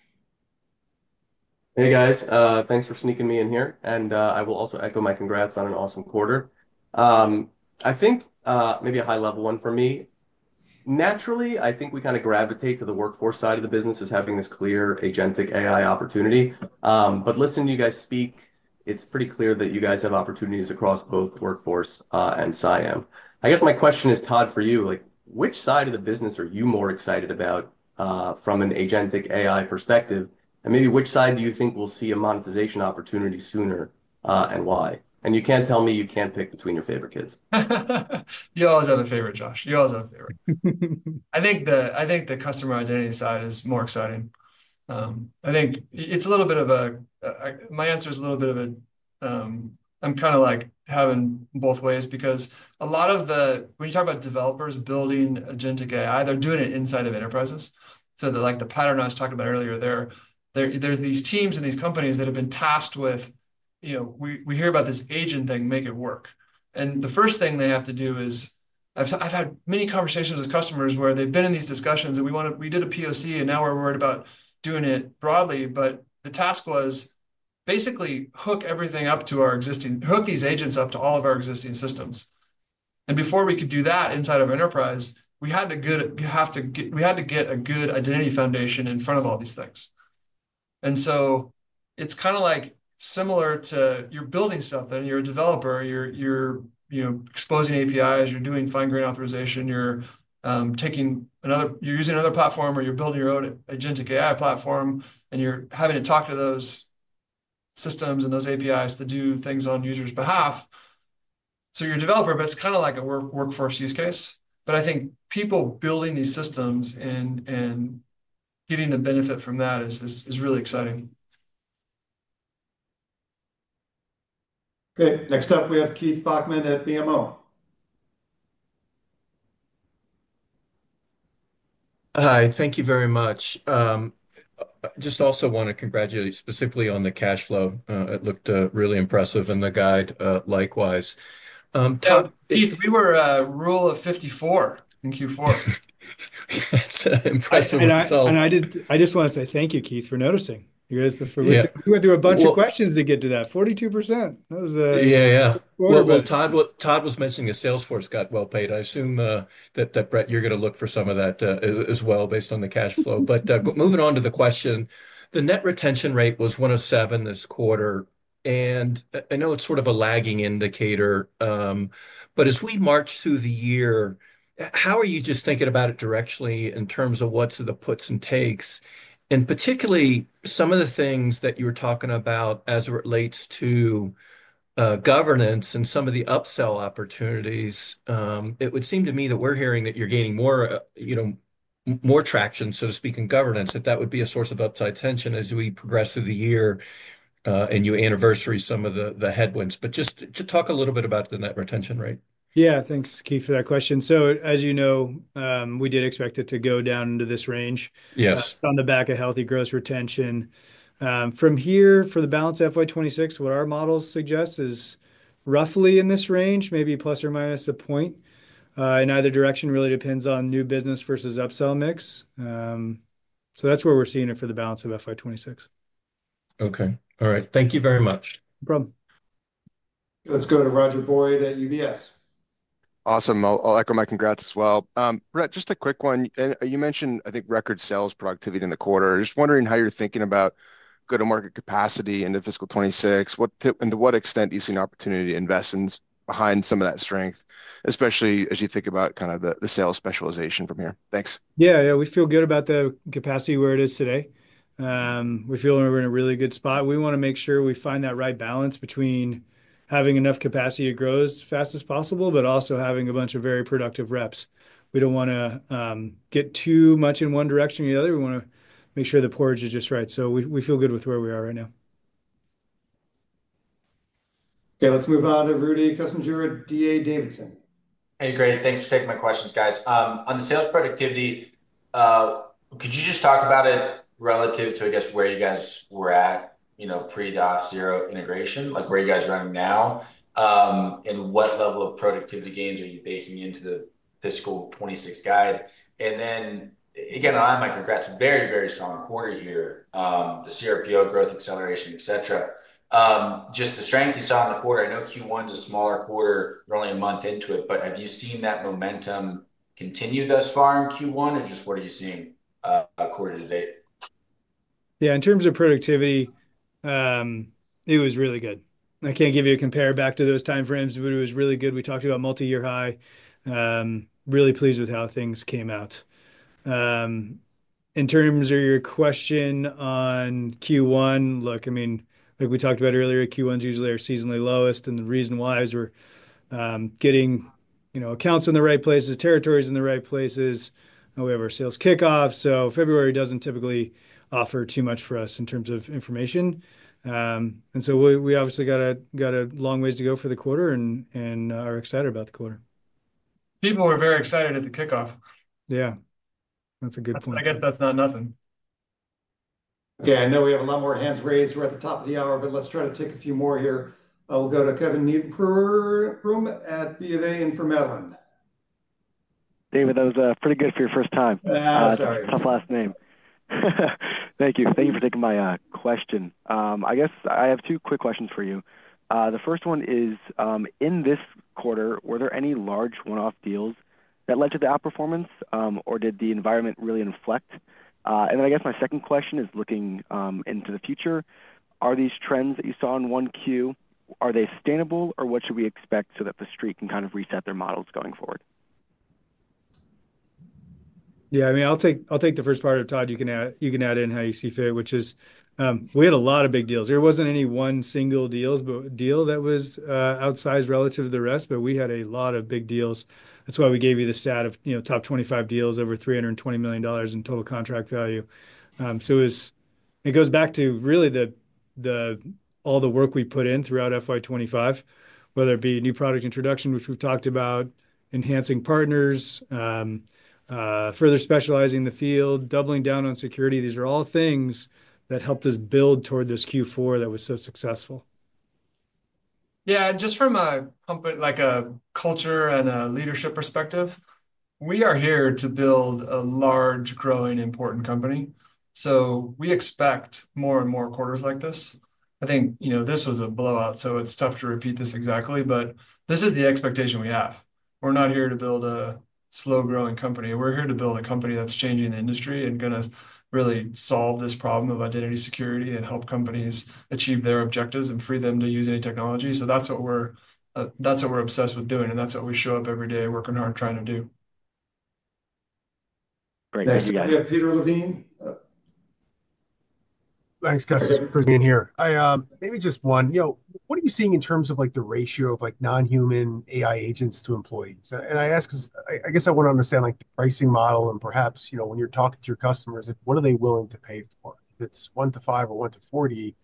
S15: Hey, guys. Thanks for sneaking me in here. And I will also echo my congrats on an awesome quarter. I think maybe a high-level one for me. Naturally, I think we kind of gravitate to the workforce side of the business as having this clear agentic AI opportunity. But listening to you guys speak, it's pretty clear that you guys have opportunities across both workforce and CIAM. I guess my question is, Todd, for you, which side of the business are you more excited about from an agentic AI perspective? And maybe which side do you think will see a monetization opportunity sooner and why? And you can't tell me you can't pick between your favorite kids.
S2: You always have a favorite, Josh. You always have a favorite. I think the customer identity side is more exciting. I think it's a little bit of a. My answer is a little bit of a. I'm kind of like having both ways because a lot of the, when you talk about developers building agentic AI, they're doing it inside of enterprises. So the pattern I was talking about earlier there, there's these teams and these companies that have been tasked with we hear about this agent thing, make it work. And the first thing they have to do is I've had many conversations with customers where they've been in these discussions and we did a POC, and now we're worried about doing it broadly. But the task was basically hook everything up to our existing systems, hook these agents up to all of our existing systems. Before we could do that inside of enterprise, we had to get a good identity foundation in front of all these things. So it's kind of like similar to you're building something, you're a developer, you're exposing APIs, you're doing fine-grain authorization, you're using another platform, or you're building your own agentic AI platform, and you're having to talk to those systems and those APIs to do things on users' behalf. So you're a developer, but it's kind of like a workforce use case. But I think people building these systems and getting the benefit from that is really exciting.
S15: Okay.
S1: Next up, we have Keith Bachman at BMO.
S16: Hi. Thank you very much. Just also want to congratulate you specifically on the cash flow. It looked really impressive in the guide likewise.
S2: Keith, we were a rule of 54 in Q4.
S16: That's impressive results.
S3: I just want to say thank you, Keith, for noticing. You went through a bunch of questions to get to that. 42%. Yeah, yeah. Todd was mentioning his Salesforce got well paid. I assume that, Brett, you're going to look for some of that as well based on the cash flow. But moving on to the question, the net retention rate was 107% this quarter. And I know it's sort of a lagging indicator. But as we march through the year, how are you just thinking about it directionally in terms of what's the puts and takes? And particularly some of the things that you were talking about as it relates to governance and some of the upsell opportunities, it would seem to me that we're hearing that you're gaining more traction, so to speak, in governance, that that would be a source of upside tension as we progress through the year and you anniversary some of the headwinds. But just to talk a little bit about the net retention rate.
S16: Yeah. Thanks, Keith, for that question. So as you know, we did expect it to go down into this range on the back of healthy gross retention. From here, for the balance of FY26, what our models suggest is roughly in this range, maybe plus or minus a point. In either direction, really depends on new business versus upsell mix. So that's where we're seeing it for the balance of FY26. Okay. All right. Thank you very much.
S3: No problem.
S1: Let's go to Roger Boyd at UBS.
S17: Awesome. I'll echo my congrats as well. Brett, just a quick one. You mentioned, I think, record sales productivity in the quarter. Just wondering how you're thinking about go-to-market capacity into fiscal 26. And to what extent do you see an opportunity to invest behind some of that strength, especially as you think about kind of the sales specialization from here? Thanks.
S3: Yeah, yeah. We feel good about the capacity where it is today. We feel we're in a really good spot. We want to make sure we find that right balance between having enough capacity to grow as fast as possible, but also having a bunch of very productive reps. We don't want to get too much in one direction or the other. We want to make sure the porridge is just right. So we feel good with where we are right now.
S1: Okay. Let's move on to Rudy Kessinger at D.A. Davidson.
S18: Hey, great. Thanks for taking my questions, guys. On the sales productivity, could you just talk about it relative to, I guess, where you guys were at pre-the Auth0 integration, where you guys are running now, and what level of productivity gains are you baking into the fiscal 26 guide? And then again, I have my congrats. Very, very strong quarter here. The CRPO growth acceleration, etc. Just the strength you saw in the quarter. I know Q1 is a smaller quarter. You're only a month into it. But have you seen that momentum continue thus far in Q1, or just what are you seeing to date?
S3: Yeah. In terms of productivity, it was really good. I can't give you a compare back to those time frames, but it was really good. We talked about multi-year high. Really pleased with how things came out. In terms of your question on Q1, look, I mean, like we talked about earlier, Q1s usually are seasonally lowest, and the reason why is we're getting accounts in the right places, territories in the right places. We have our sales kickoff, so February doesn't typically offer too much for us in terms of information, and so we obviously got a long ways to go for the quarter and are excited about the quarter.
S1: People were very excited at the kickoff.
S3: Yeah. That's a good point.
S1: I guess that's not nothing. Okay. I know we have a lot more hands raised. We're at the top of the hour, but let's try to take a few more here. We'll go to Kevin Kumar at Goldman Sachs.
S19: David, that was pretty good for your first time. Tough last name. Thank you. Thank you for taking my question. I guess I have two quick questions for you. The first one is, in this quarter, were there any large one-off deals that led to the outperformance, or did the environment really inflect? And then I guess my second question is looking into the future. Are these trends that you saw in one Q, are they sustainable, or what should we expect so that the street can kind of reset their models going forward?
S3: Yeah. I mean, I'll take the first part of Todd. You can add in how you see fit, which is we had a lot of big deals. There wasn't any one single deal that was outsized relative to the rest, but we had a lot of big deals. That's why we gave you the stat of top 25 deals over $320 million in total contract value. So it goes back to really all the work we put in throughout FY25, whether it be new product introduction, which we've talked about, enhancing partners, further specializing the field, doubling down on security. These are all things that helped us build toward this Q4 that was so successful.
S2: Yeah. Just from a culture and a leadership perspective, we are here to build a large, growing, important company. So we expect more and more quarters like this. I think this was a blowout, so it's tough to repeat this exactly, but this is the expectation we have. We're not here to build a slow-growing company. We're here to build a company that's changing the industry and going to really solve this problem of identity security and help companies achieve their objectives and free them to use any technology. So that's what we're obsessed with doing, and that's what we show up every day working hard trying to do.
S19: Great. Thank you, guys.
S1: We have Peter Levine.
S20: Thanks, David, for being here. Maybe just one. What are you seeing in terms of the ratio of non-human AI agents to employees? And I guess I want to understand the pricing model and perhaps when you're talking to your customers, what are they willing to pay for? If it's one to five or one to 40,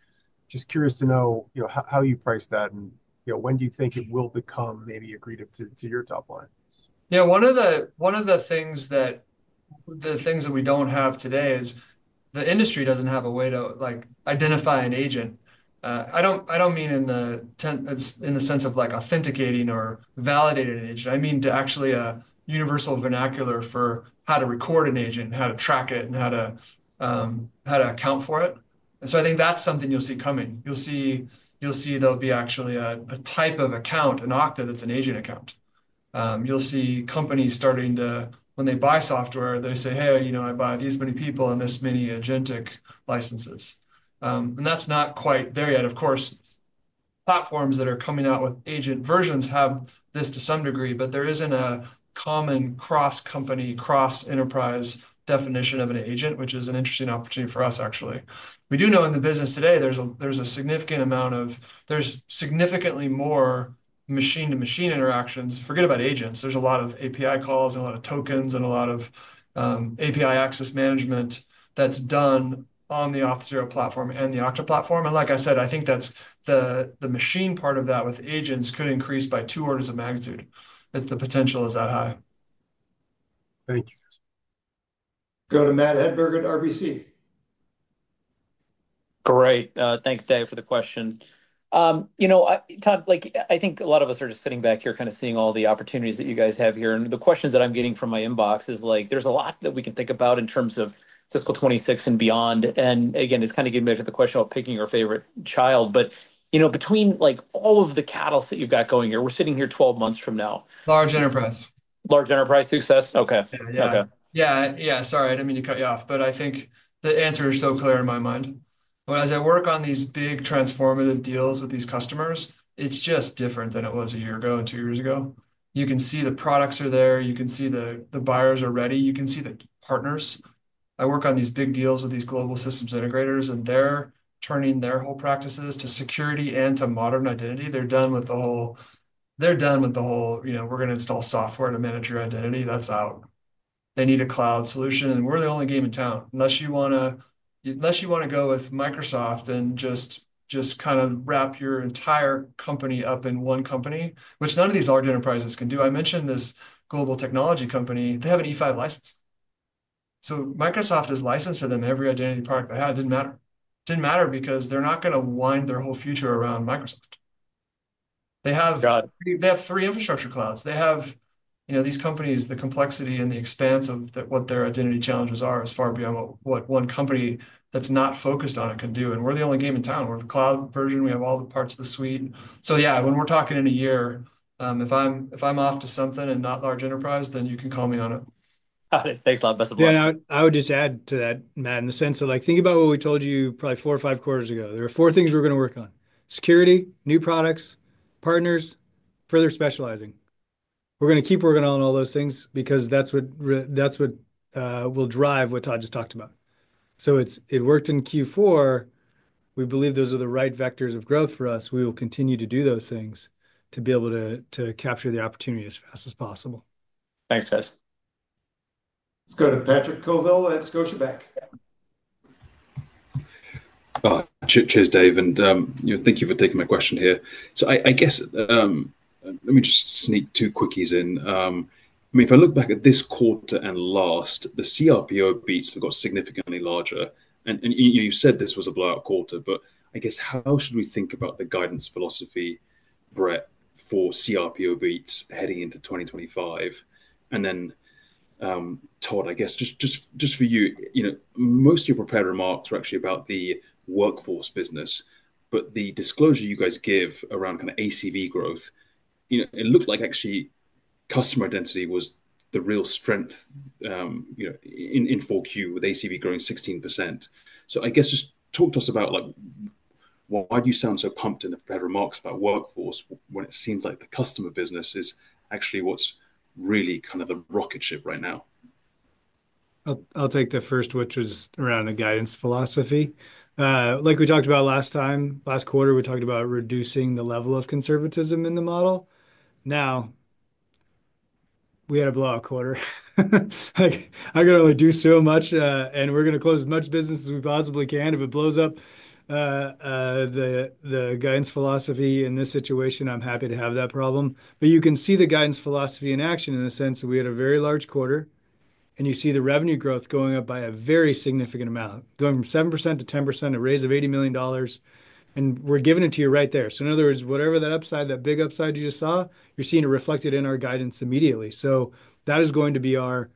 S20: just curious to know how you price that and when do you think it will become maybe agreed up to your top line?
S2: Yeah. One of the things that we don't have today is the industry doesn't have a way to identify an agent. I don't mean in the sense of authenticating or validating an agent. I mean to actually a universal vernacular for how to record an agent and how to track it and how to account for it. And so I think that's something you'll see coming. You'll see there'll be actually a type of account, an Okta, that's an agent account. You'll see companies starting to, when they buy software, they say, "Hey, I buy these many people and this many agentic licenses." And that's not quite there yet. Of course, platforms that are coming out with agent versions have this to some degree, but there isn't a common cross-company, cross-enterprise definition of an agent, which is an interesting opportunity for us, actually. We do know in the business today, there's significantly more machine-to-machine interactions. Forget about agents. There's a lot of API calls and a lot of tokens and a lot of API access management that's done on the Auth0 platform and the Okta platform. And like I said, I think that's the machine part of that with agents could increase by two orders of magnitude if the potential is that high. Thank you.
S1: Go to Matt Hedberg at RBC.
S21: Great. Thanks, Dave, for the question. You know, Todd, I think a lot of us are just sitting back here kind of seeing all the opportunities that you guys have here. And the questions that I'm getting from my inbox is like there's a lot that we can think about in terms of fiscal 2026 and beyond. And again, it's kind of getting back to the question of picking your favorite child. But between all of the catalysts that you've got going here, we're sitting here 12 months from now.
S2: Large enterprise.
S21: Large enterprise success. Okay.
S2: Yeah. Yeah. Yeah. Sorry. I didn't mean to cut you off, but I think the answer is so clear in my mind. When I say work on these big transformative deals with these customers, it's just different than it was a year ago and two years ago. You can see the products are there. You can see the buyers are ready. You can see the partners. I work on these big deals with these global systems integrators, and they're turning their whole practices to security and to modern identity. They're done with the whole, "We're going to install software to manage your identity." That's out. They need a cloud solution, and we're the only game in town. Unless you want to go with Microsoft and just kind of wrap your entire company up in one company, which none of these large enterprises can do. I mentioned this global technology company. They have an E5 license. So Microsoft has licensed to them every identity product they had. It didn't matter. It didn't matter because they're not going to wind their whole future around Microsoft. They have three infrastructure clouds. They have these companies, the complexity and the expanse of what their identity challenges are is far beyond what one company that's not focused on it can do, and we're the only game in town. We're the cloud version. We have all the parts of the suite. So yeah, when we're talking in a year, if I'm off to something and not large enterprise, then you can call me on it.
S21: Got it. Thanks a lot. Best of luck.
S3: Yeah. I would just add to that, Matt, in the sense of thinking about what we told you probably four or five quarters ago. There were four things we were going to work on: security, new products, partners, further specializing. We're going to keep working on all those things because that's what will drive what Todd just talked about. So it worked in Q4. We believe those are the right vectors of growth for us. We will continue to do those things to be able to capture the opportunity as fast as possible.
S21: Thanks, guys.
S1: Let's go to Patrick Colville at Scotiabank.
S22: Cheers, Dave. And thank you for taking my question here. So I guess let me just sneak two quickies in. I mean, if I look back at this quarter and last, the CRPO beats have got significantly larger. And you said this was a blowout quarter, but I guess how should we think about the guidance philosophy, Brett, for CRPO beats heading into 2025? And then, Todd, I guess just for you, most of your prepared remarks were actually about the workforce business. But the disclosure you guys give around kind of ACV growth, it looked like actually customer identity was the real strength in 4Q with ACV growing 16%. So I guess just talk to us about why do you sound so pumped in the prepared remarks about workforce when it seems like the customer business is actually what's really kind of the rocket ship right now?
S3: I'll take the first, which is around the guidance philosophy. Like we talked about last time, last quarter, we talked about reducing the level of conservatism in the model. Now, we had a blowout quarter. I got to do so much, and we're going to close as much business as we possibly can. If it blows up the guidance philosophy in this situation, I'm happy to have that problem. But you can see the guidance philosophy in action in the sense that we had a very large quarter, and you see the revenue growth going up by a very significant amount, going from 7% to 10%, a raise of $80 million. And we're giving it to you right there. So in other words, whatever that upside, that big upside you just saw, you're seeing it reflected in our guidance immediately. So that is going to be our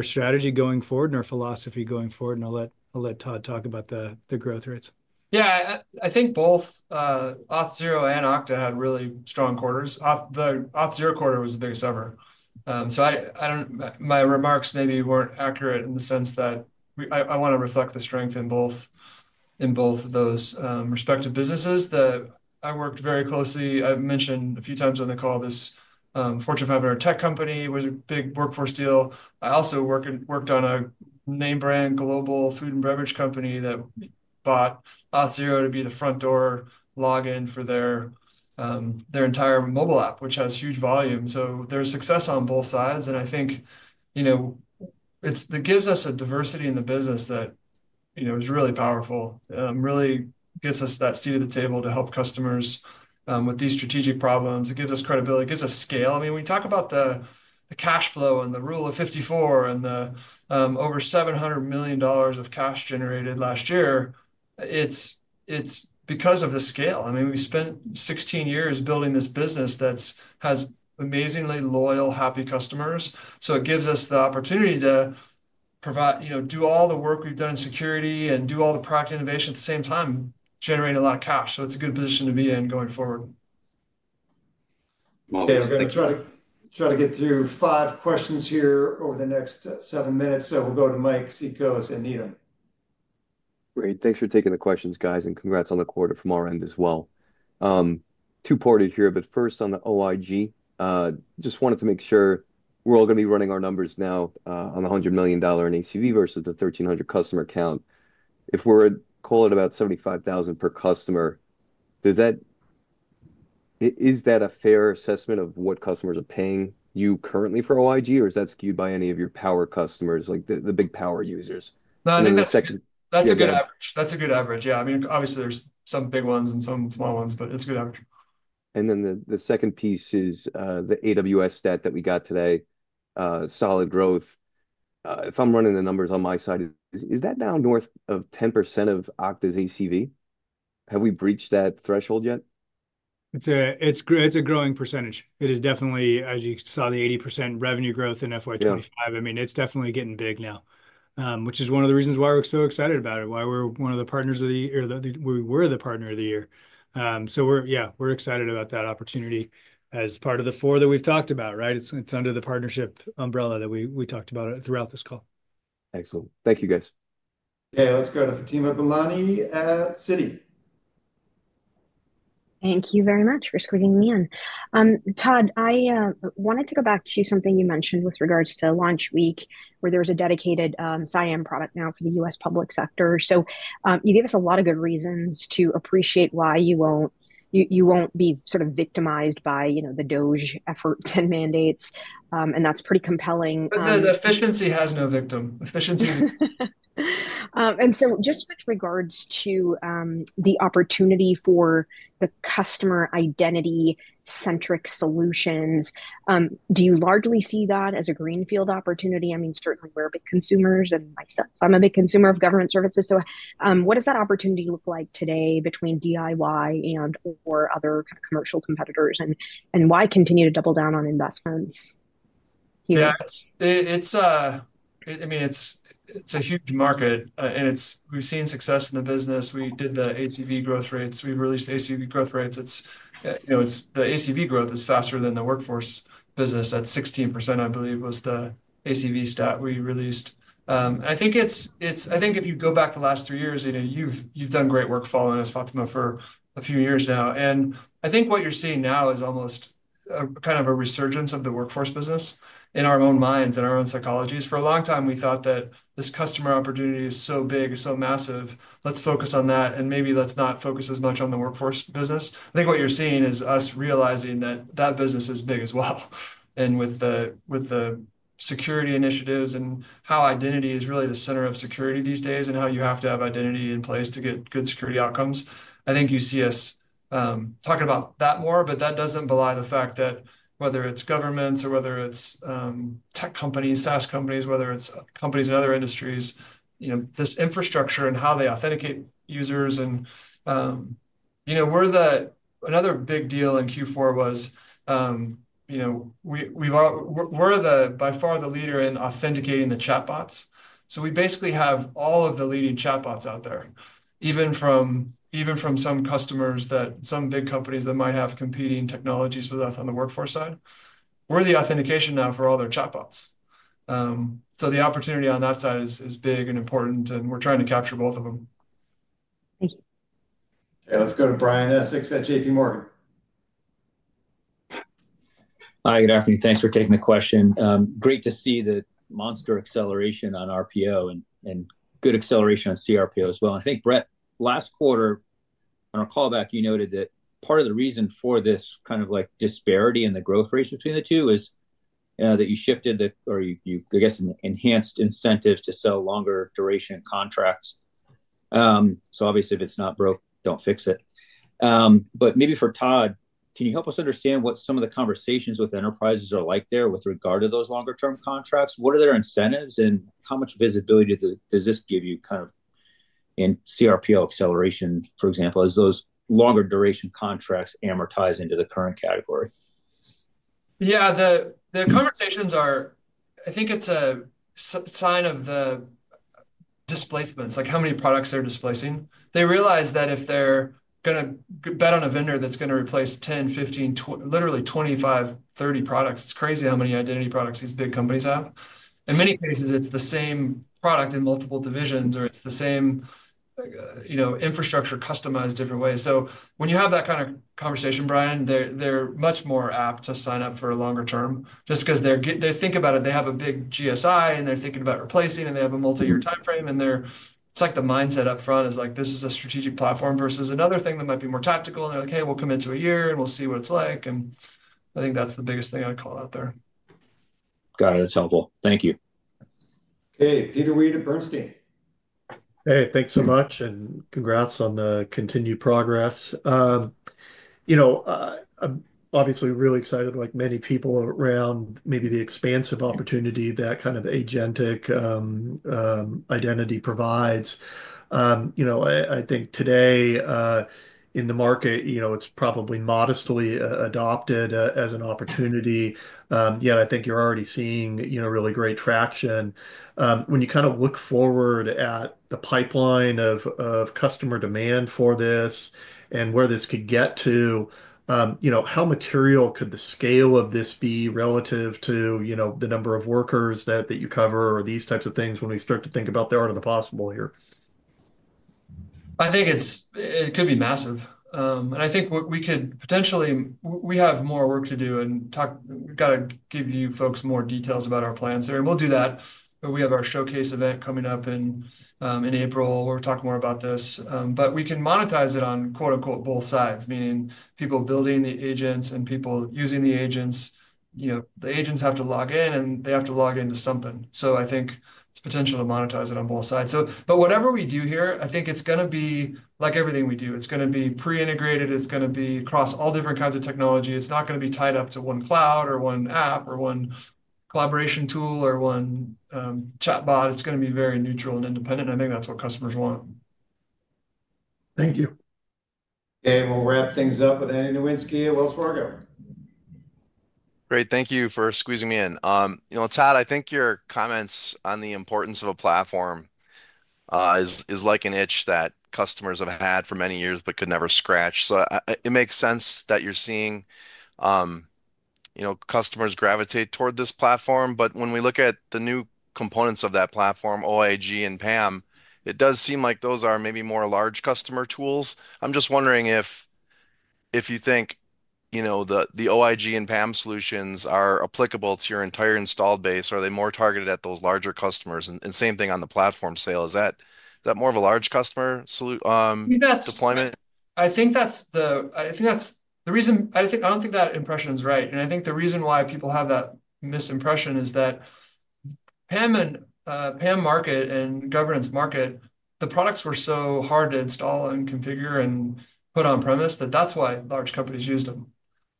S3: strategy going forward and our philosophy going forward. And I'll let Todd talk about the growth rates.
S2: Yeah. I think both Auth0 and Okta had really strong quarters. The Auth0 quarter was the biggest ever. So my remarks maybe weren't accurate in the sense that I want to reflect the strength in both of those respective businesses. I worked very closely. I mentioned a few times on the call this Fortune 500 tech company was a big workforce deal. I also worked on a name brand global food and beverage company that bought Auth0 to be the front door login for their entire mobile app, which has huge volume. So there's success on both sides. And I think it gives us a diversity in the business that is really powerful, really gets us that seat at the table to help customers with these strategic problems. It gives us credibility. It gives us scale. I mean, when we talk about the cash flow and the rule of 40 and the over $700 million of cash generated last year, it's because of the scale. I mean, we spent 16 years building this business that has amazingly loyal, happy customers. So it gives us the opportunity to do all the work we've done in security and do all the product innovation at the same time, generating a lot of cash. So it's a good position to be in going forward.
S22: Well, thanks, guys.
S1: Try to get through five questions here over the next seven minutes. So we'll go to Mike Cikos, Needham.
S4: Great. Thanks for taking the questions, guys, and congrats on the quarter from our end as well. Two-parter here, but first on the OIG. Just wanted to make sure we're all going to be running our numbers now on the $100 million in ACV versus the 1,300 customer count. If we're calling about 75,000 per customer, is that a fair assessment of what customers are paying you currently for OIG, or is that skewed by any of your power customers, the big power users?
S3: No, I think that's a good average. That's a good average. Yeah. I mean, obviously, there's some big ones and some small ones, but it's a good average.
S23: And then the second piece is the AWS stat that we got today, solid growth. If I'm running the numbers on my side, is that now north of 10% of Okta's ACV? Have we breached that threshold yet?
S3: It's a growing percentage. It is definitely, as you saw, the 80% revenue growth in FY25. I mean, it's definitely getting big now, which is one of the reasons why we're so excited about it, why we're one of the partners of the year or we were the partner of the year. So yeah, we're excited about that opportunity as part of the four that we've talked about, right? It's under the partnership umbrella that we talked about throughout this call.
S23: Excellent. Thank you, guys.
S1: Yeah. Let's go to Fatima Boolani at Citi.
S24: Thank you very much for screening me in. Todd, I wanted to go back to something you mentioned with regards to launch week where there was a dedicated SIAM product now for the U.S. public sector, so you gave us a lot of good reasons to appreciate why you won't be sort of victimized by the DOGE efforts and mandates, and that's pretty compelling.
S2: But the efficiency has no victim. Efficiency is.
S24: And so just with regards to the opportunity for the customer identity-centric solutions, do you largely see that as a greenfield opportunity? I mean, certainly, we're big consumers, and myself, I'm a big consumer of government services. So what does that opportunity look like today between DIY and/or other kind of commercial competitors, and why continue to double down on investments here?
S3: I mean, it's a huge market, and we've seen success in the business. We did the ACV growth rates. We released the ACV growth rates. The ACV growth is faster than the workforce business. That's 16%, I believe, was the ACV stat we released. I think if you go back the last three years, you've done great work following us, Fatima, for a few years now, and I think what you're seeing now is almost kind of a resurgence of the workforce business in our own minds and our own psychologies. For a long time, we thought that this customer opportunity is so big, so massive. Let's focus on that, and maybe let's not focus as much on the workforce business. I think what you're seeing is us realizing that that business is big as well. And with the security initiatives and how identity is really the center of security these days and how you have to have identity in place to get good security outcomes, I think you see us talking about that more, but that doesn't belie the fact that whether it's governments or whether it's tech companies, SaaS companies, whether it's companies in other industries, this infrastructure and how they authenticate users. And another big deal in Q4 was we're by far the leader in authenticating the chatbots. So we basically have all of the leading chatbots out there, even from some customers that some big companies that might have competing technologies with us on the workforce side. We're the authentication now for all their chatbots. So the opportunity on that side is big and important, and we're trying to capture both of them.
S24: Thank you.
S1: Yeah. Let's go to Brian Essex at JPMorgan.
S25: Hi, good afternoon. Thanks for taking the question. Great to see the monster acceleration on RPO and good acceleration on CRPO as well. And I think, Brett, last quarter, on our callback, you noted that part of the reason for this kind of disparity in the growth rates between the two is that you shifted the, or you, I guess, enhanced incentives to sell longer duration contracts. So obviously, if it's not broke, don't fix it. But maybe for Todd, can you help us understand what some of the conversations with enterprises are like there with regard to those longer-term contracts? What are their incentives, and how much visibility does this give you kind of in CRPO acceleration, for example, as those longer duration contracts amortize into the current category?
S2: Yeah. The conversations are, I think it's a sign of the displacements, like how many products they're displacing. They realize that if they're going to bet on a vendor that's going to replace 10, 15, literally 25, 30 products, it's crazy how many identity products these big companies have. In many cases, it's the same product in multiple divisions, or it's the same infrastructure customized different ways. So when you have that kind of conversation, Brian, they're much more apt to sign up for a longer term just because they think about it. They have a big GSI, and they're thinking about replacing, and they have a multi-year timeframe. And it's like the mindset upfront is like, "This is a strategic platform versus another thing that might be more tactical." And they're like, "Hey, we'll come into a year, and we'll see what it's like." And I think that's the biggest thing I'd call out there.
S25: Got it. That's helpful. Thank you.
S1: Okay. Peter Weed at Bernstein.
S26: Hey, thanks so much, and congrats on the continued progress. Obviously, we're really excited, like many people around maybe the expansive opportunity that kind of agentic identity provides. I think today in the market, it's probably modestly adopted as an opportunity. Yet, I think you're already seeing really great traction. When you kind of look forward at the pipeline of customer demand for this and where this could get to, how material could the scale of this be relative to the number of workers that you cover or these types of things when we start to think about the art of the possible here?
S3: I think it could be massive, and I think we could potentially, we have more work to do and talk. We've got to give you folks more details about our plans here, and we'll do that. We have our showcase event coming up in April. We're talking more about this, but we can monetize it on "both sides," meaning people building the agents and people using the agents. The agents have to log in, and they have to log into something, so I think it's potential to monetize it on both sides. But whatever we do here, I think it's going to be like everything we do. It's going to be pre-integrated. It's going to be across all different kinds of technology. It's not going to be tied up to one cloud or one app or one collaboration tool or one chatbot. It's going to be very neutral and independent. I think that's what customers want.
S26: Thank you.
S1: Okay. We'll wrap things up with Andrew Nowinski at Wells Fargo.
S27: Great. Thank you for squeezing me in. Todd, I think your comments on the importance of a platform is like an itch that customers have had for many years but could never scratch. So it makes sense that you're seeing customers gravitate toward this platform. But when we look at the new components of that platform, OIG and PAM, it does seem like those are maybe more large customer tools. I'm just wondering if you think the OIG and PAM solutions are applicable to your entire installed base, or are they more targeted at those larger customers? And same thing on the platform sale. Is that more of a large customer deployment?
S2: I think that's the reason I don't think that impression is right. And I think the reason why people have that misimpression is that PAM and PAM market and governance market, the products were so hard to install and configure and put on-premise that that's why large companies used them.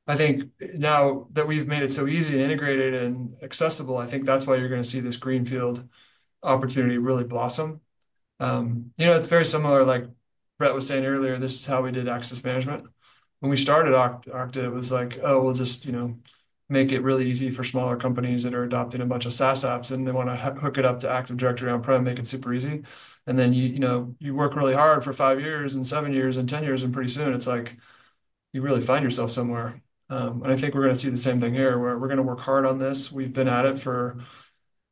S2: I think now that we've made it so easy and integrated and accessible, I think that's why you're going to see this greenfield opportunity really blossom. It's very similar, like Brett was saying earlier, this is how we did access management. When we started Okta, it was like, "Oh, we'll just make it really easy for smaller companies that are adopting a bunch of SaaS apps, and they want to hook it up to Active Directory on-prem, make it super easy," and then you work really hard for five years and seven years and ten years, and pretty soon, it's like you really find yourself somewhere, and I think we're going to see the same thing here, where we're going to work hard on this. We've been at it for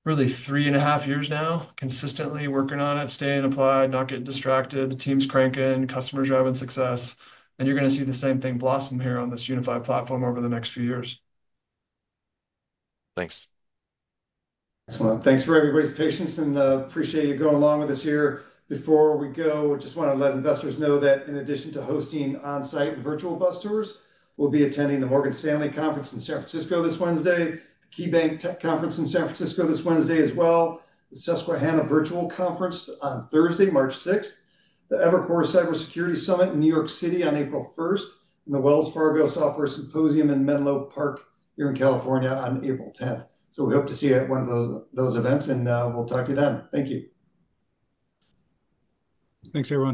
S2: really three and a half years now, consistently working on it, staying applied, not getting distracted, the team's cranking, customers driving success, and you're going to see the same thing blossom here on this unified platform over the next few years.
S27: Thanks.
S1: Excellent. Thanks for everybody's patience, and appreciate you going along with us here. Before we go, I just want to let investors know that in addition to hosting on-site and virtual bus tours, we'll be attending the Morgan Stanley Conference in San Francisco this Wednesday, the KeyBanc Tech Conference in San Francisco this Wednesday as well, the Susquehanna Virtual Conference on Thursday, March 6th, the Evercore Cybersecurity Summit in New York City on April 1st, and the Wells Fargo Software Symposium in Menlo Park here in California on April 10th. So we hope to see you at one of those events, and we'll talk to you then. Thank you.
S3: Thanks, everyone.